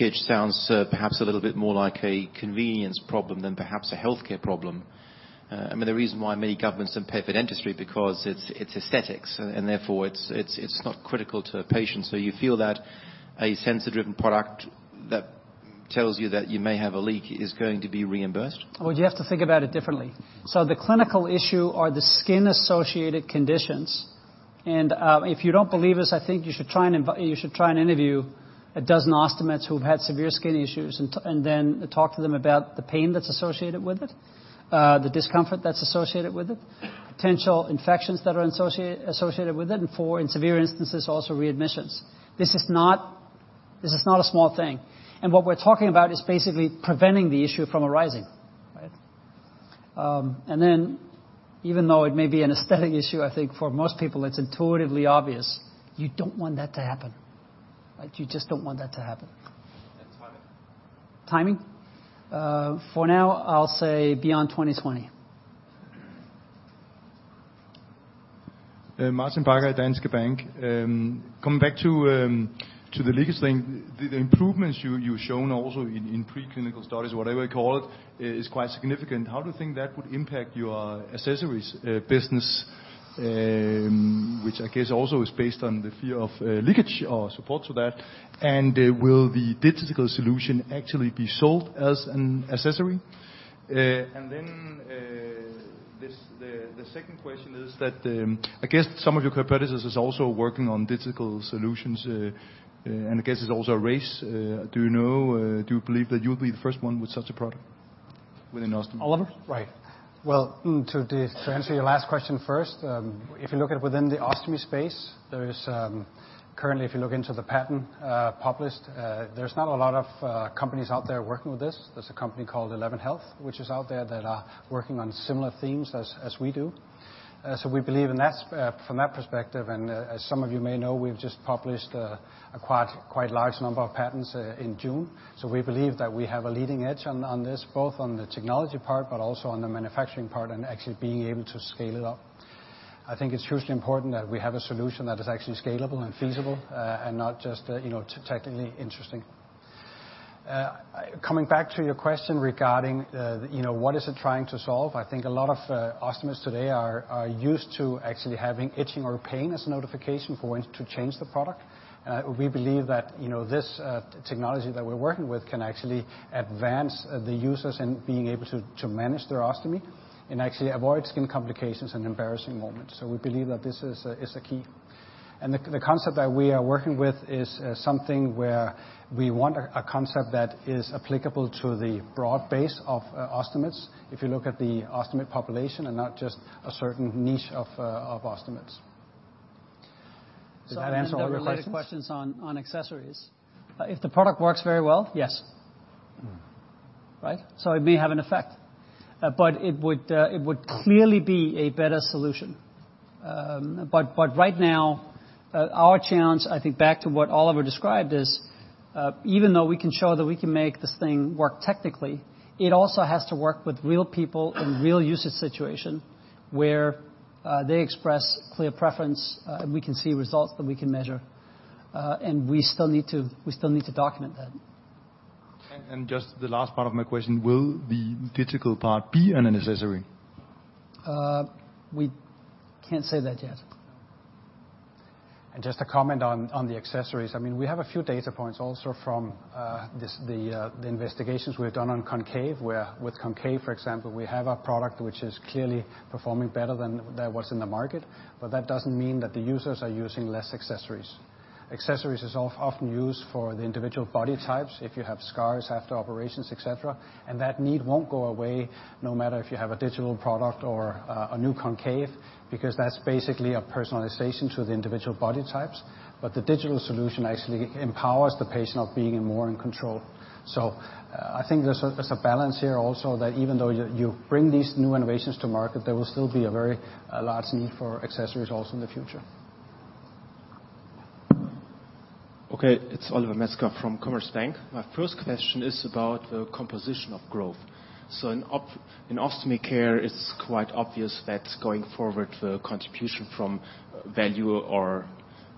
I mean, to me, leakage sounds perhaps a little bit more like a convenience problem than perhaps a healthcare problem. I mean, the reason why many governments don't pay for dentistry, because it's aesthetics, and therefore, it's not critical to a patient. You feel that a sensor-driven product that tells you that you may have a leak is going to be reimbursed? You have to think about it differently. The clinical issue are the skin-associated conditions. If you don't believe us, you should try and interview a dozen ostomates who've had severe skin issues, and then talk to them about the pain that's associated with it, the discomfort that's associated with it, potential infections that are associated with it, and for in severe instances, also readmissions. This is not a small thing. What we're talking about is basically preventing the issue from arising, right? Even though it may be an aesthetic issue, I think for most people, it's intuitively obvious, you don't want that to happen, right? You just don't want that to happen. Timing? Timing? For now, I'll say beyond 2020. Martin Parkhøi at Danske Bank. Coming back to the leakage thing, the improvements you've shown also in preclinical studies, whatever you call it, is quite significant. How do you think that would impact your accessories business? Which I guess also is based on the fear of leakage or support to that, and will the digital solution actually be sold as an accessory? The second question is that, I guess some of your competitors is also working on digital solutions, and I guess it's also a race. Do you know, do you believe that you'll be the first one with such a product within ostomy? Oliver? Right. Well, to answer your last question first, if you look at within the ostomy space, there is currently, if you look into the patent published, there's not a lot of companies out there working with this. There's a company called 11 Health, which is out there that are working on similar themes as we do. We believe in that from that perspective, and, as some of you may know, we've just published a quite large number of patents in June. We believe that we have a leading edge on this, both on the technology part, but also on the manufacturing part and actually being able to scale it up. I think it's hugely important that we have a solution that is actually scalable and feasible, and not just, you know, technically interesting. Coming back to your question regarding, you know, what is it trying to solve? I think a lot of ostomates today are used to actually having itching or pain as a notification for when to change the product. We believe that, you know, this technology that we're working with can actually advance the users in being able to manage their Ostomy and actually avoid skin complications and embarrassing moments. We believe that this is a key. The concept that we are working with is something where we want a concept that is applicable to the broad base of ostomates. If you look at the ostomate population and not just a certain niche of ostomates. Does that answer your questions? Related questions on accessories. If the product works very well, yes. Right? It may have an effect, but it would clearly be a better solution. Right now, our challenge, I think back to what Oliver described is, even though we can show that we can make this thing work technically, it also has to work with real people in real usage situation, where they express clear preference, and we can see results that we can measure. We still need to document that. Just the last part of my question, will the digital part be an accessory? We can't say that yet. Just to comment on the accessories, I mean, we have a few data points also from the investigations we've done on Concave, where with Concave, for example, we have a product which is clearly performing better than what's in the market, but that doesn't mean that the users are using less accessories. Accessories is often used for the individual body types, if you have scars after operations, et cetera, and that need won't go away, no matter if you have a digital product or a new Concave, because that's basically a personalization to the individual body types. The digital solution actually empowers the patient of being more in control. I think there's a balance here also, that even though you bring these new innovations to market, there will still be a very large need for accessories also in the future. It's Oliver Metzger from Commerzbank. My first question is about the composition of growth. In Ostomy Care, it's quite obvious that going forward, the contribution from value or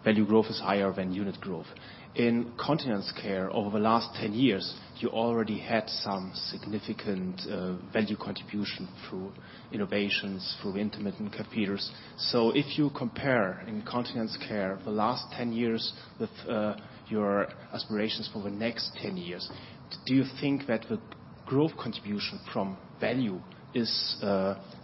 value growth is higher than unit growth. In Continence Care, over the last 10 years, you already had some significant value contribution through innovations, through intermittent catheters. If you compare in Continence Care, the last 10 years with your aspirations for the next 10 years, do you think that the growth contribution from value is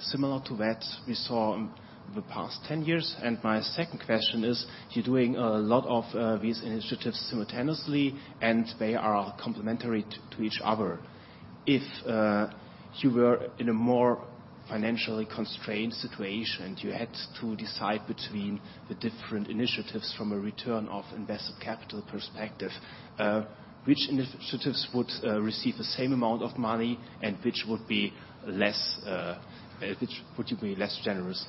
similar to that we saw in the past 10 years? My second question is, you're doing a lot of these initiatives simultaneously, and they are complementary to each other. If you were in a more financially constrained situation, and you had to decide between the different initiatives from a return of invested capital perspective, which initiatives would receive the same amount of money, and which would be less, which would you be less generous?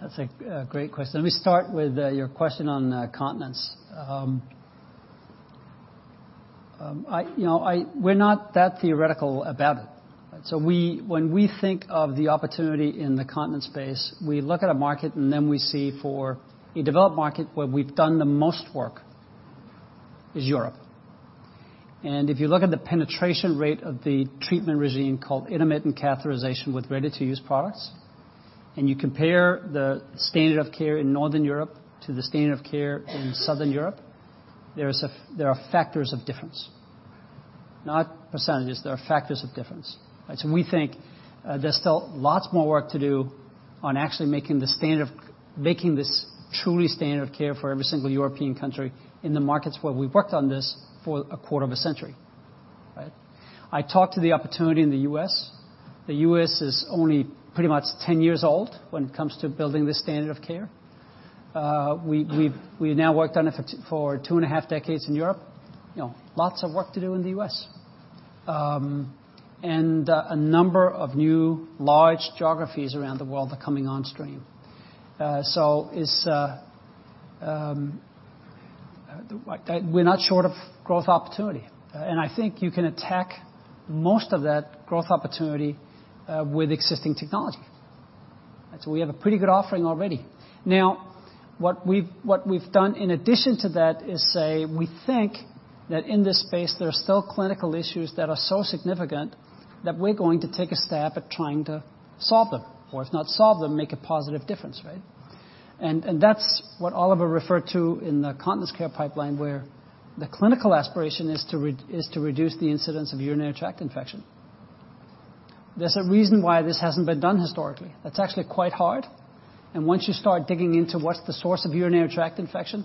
That's a great question. Let me start with your question on Continence. You know, we're not that theoretical about it. When we think of the opportunity in the continence space, we look at a market, we see for a developed market, where we've done the most work, is Europe. If you look at the penetration rate of the treatment regime called intermittent catheterization with ready-to-use products, and you compare the standard of care in Northern Europe to the standard of care in Southern Europe, there are factors of difference, not percentages. There are factors of difference. We think there's still lots more work to do on actually making this truly standard of care for every single European country in the markets where we've worked on this for a quarter of a century, right? I talked to the opportunity in the U.S. The U.S. is only pretty much 10 years old when it comes to building this standard of care. We've now worked on it for 2.5 decades in Europe. You know, lots of work to do in the U.S. A number of new, large geographies around the world are coming on stream. We're not short of growth opportunity, I think you can attack most of that growth opportunity with existing technology. We have a pretty good offering already. What we've done in addition to that is say, we think that in this space, there are still clinical issues that are so significant that we're going to take a stab at trying to solve them, or if not solve them, make a positive difference, right? That's what Oliver referred to in the Continence Care pipeline, where the clinical aspiration is to reduce the incidence of urinary tract infection. There's a reason why this hasn't been done historically. That's actually quite hard, and once you start digging into what's the source of urinary tract infection,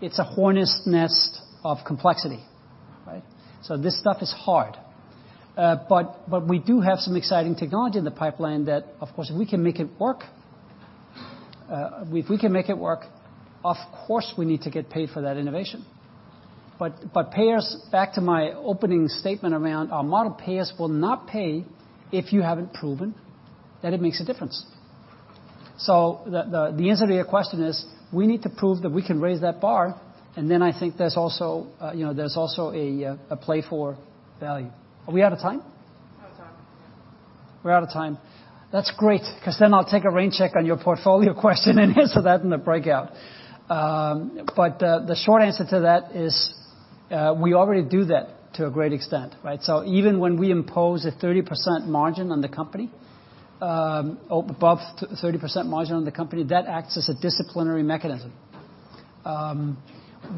it's a hornet's nest of complexity, right? This stuff is hard, but we do have some exciting technology in the pipeline that, of course, if we can make it work, of course, we need to get paid for that innovation. Payers, back to my opening statement around our model, payers will not pay if you haven't proven that it makes a difference. The answer to your question is, we need to prove that we can raise that bar, and then I think there's also, you know, there's also a play for value. Are we out of time? Out of time. We're out of time. That's great, 'cause I'll take a rain check on your portfolio question, and answer that in the breakout. The short answer to that is, we already do that to a great extent, right? Even when we impose a 30% margin on the company, above 30% margin on the company, that acts as a disciplinary mechanism.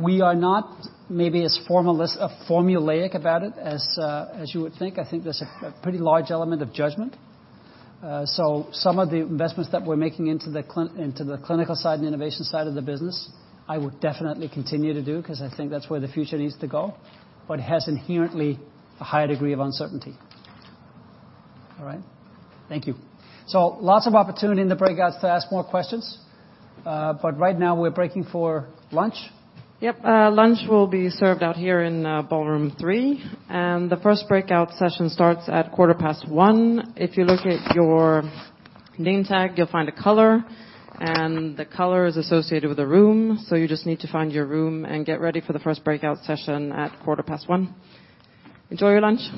We are not maybe as formal as formulaic about it as you would think. I think there's a pretty large element of judgment. Some of the investments that we're making into the clinical side and innovation side of the business, I would definitely continue to do, 'cause I think that's where the future needs to go, it has inherently a higher degree of uncertainty. All right. Thank you. Lots of opportunity in the breakouts to ask more questions, but right now, we're breaking for lunch. Yep, lunch will be served out here in Ballroom 3, and the first breakout session starts at 1:15 P.M. If you look at your name tag, you'll find a color, and the color is associated with a room, so you just need to find your room and get ready for the first breakout session at 1:15 P.M. Enjoy your lunch!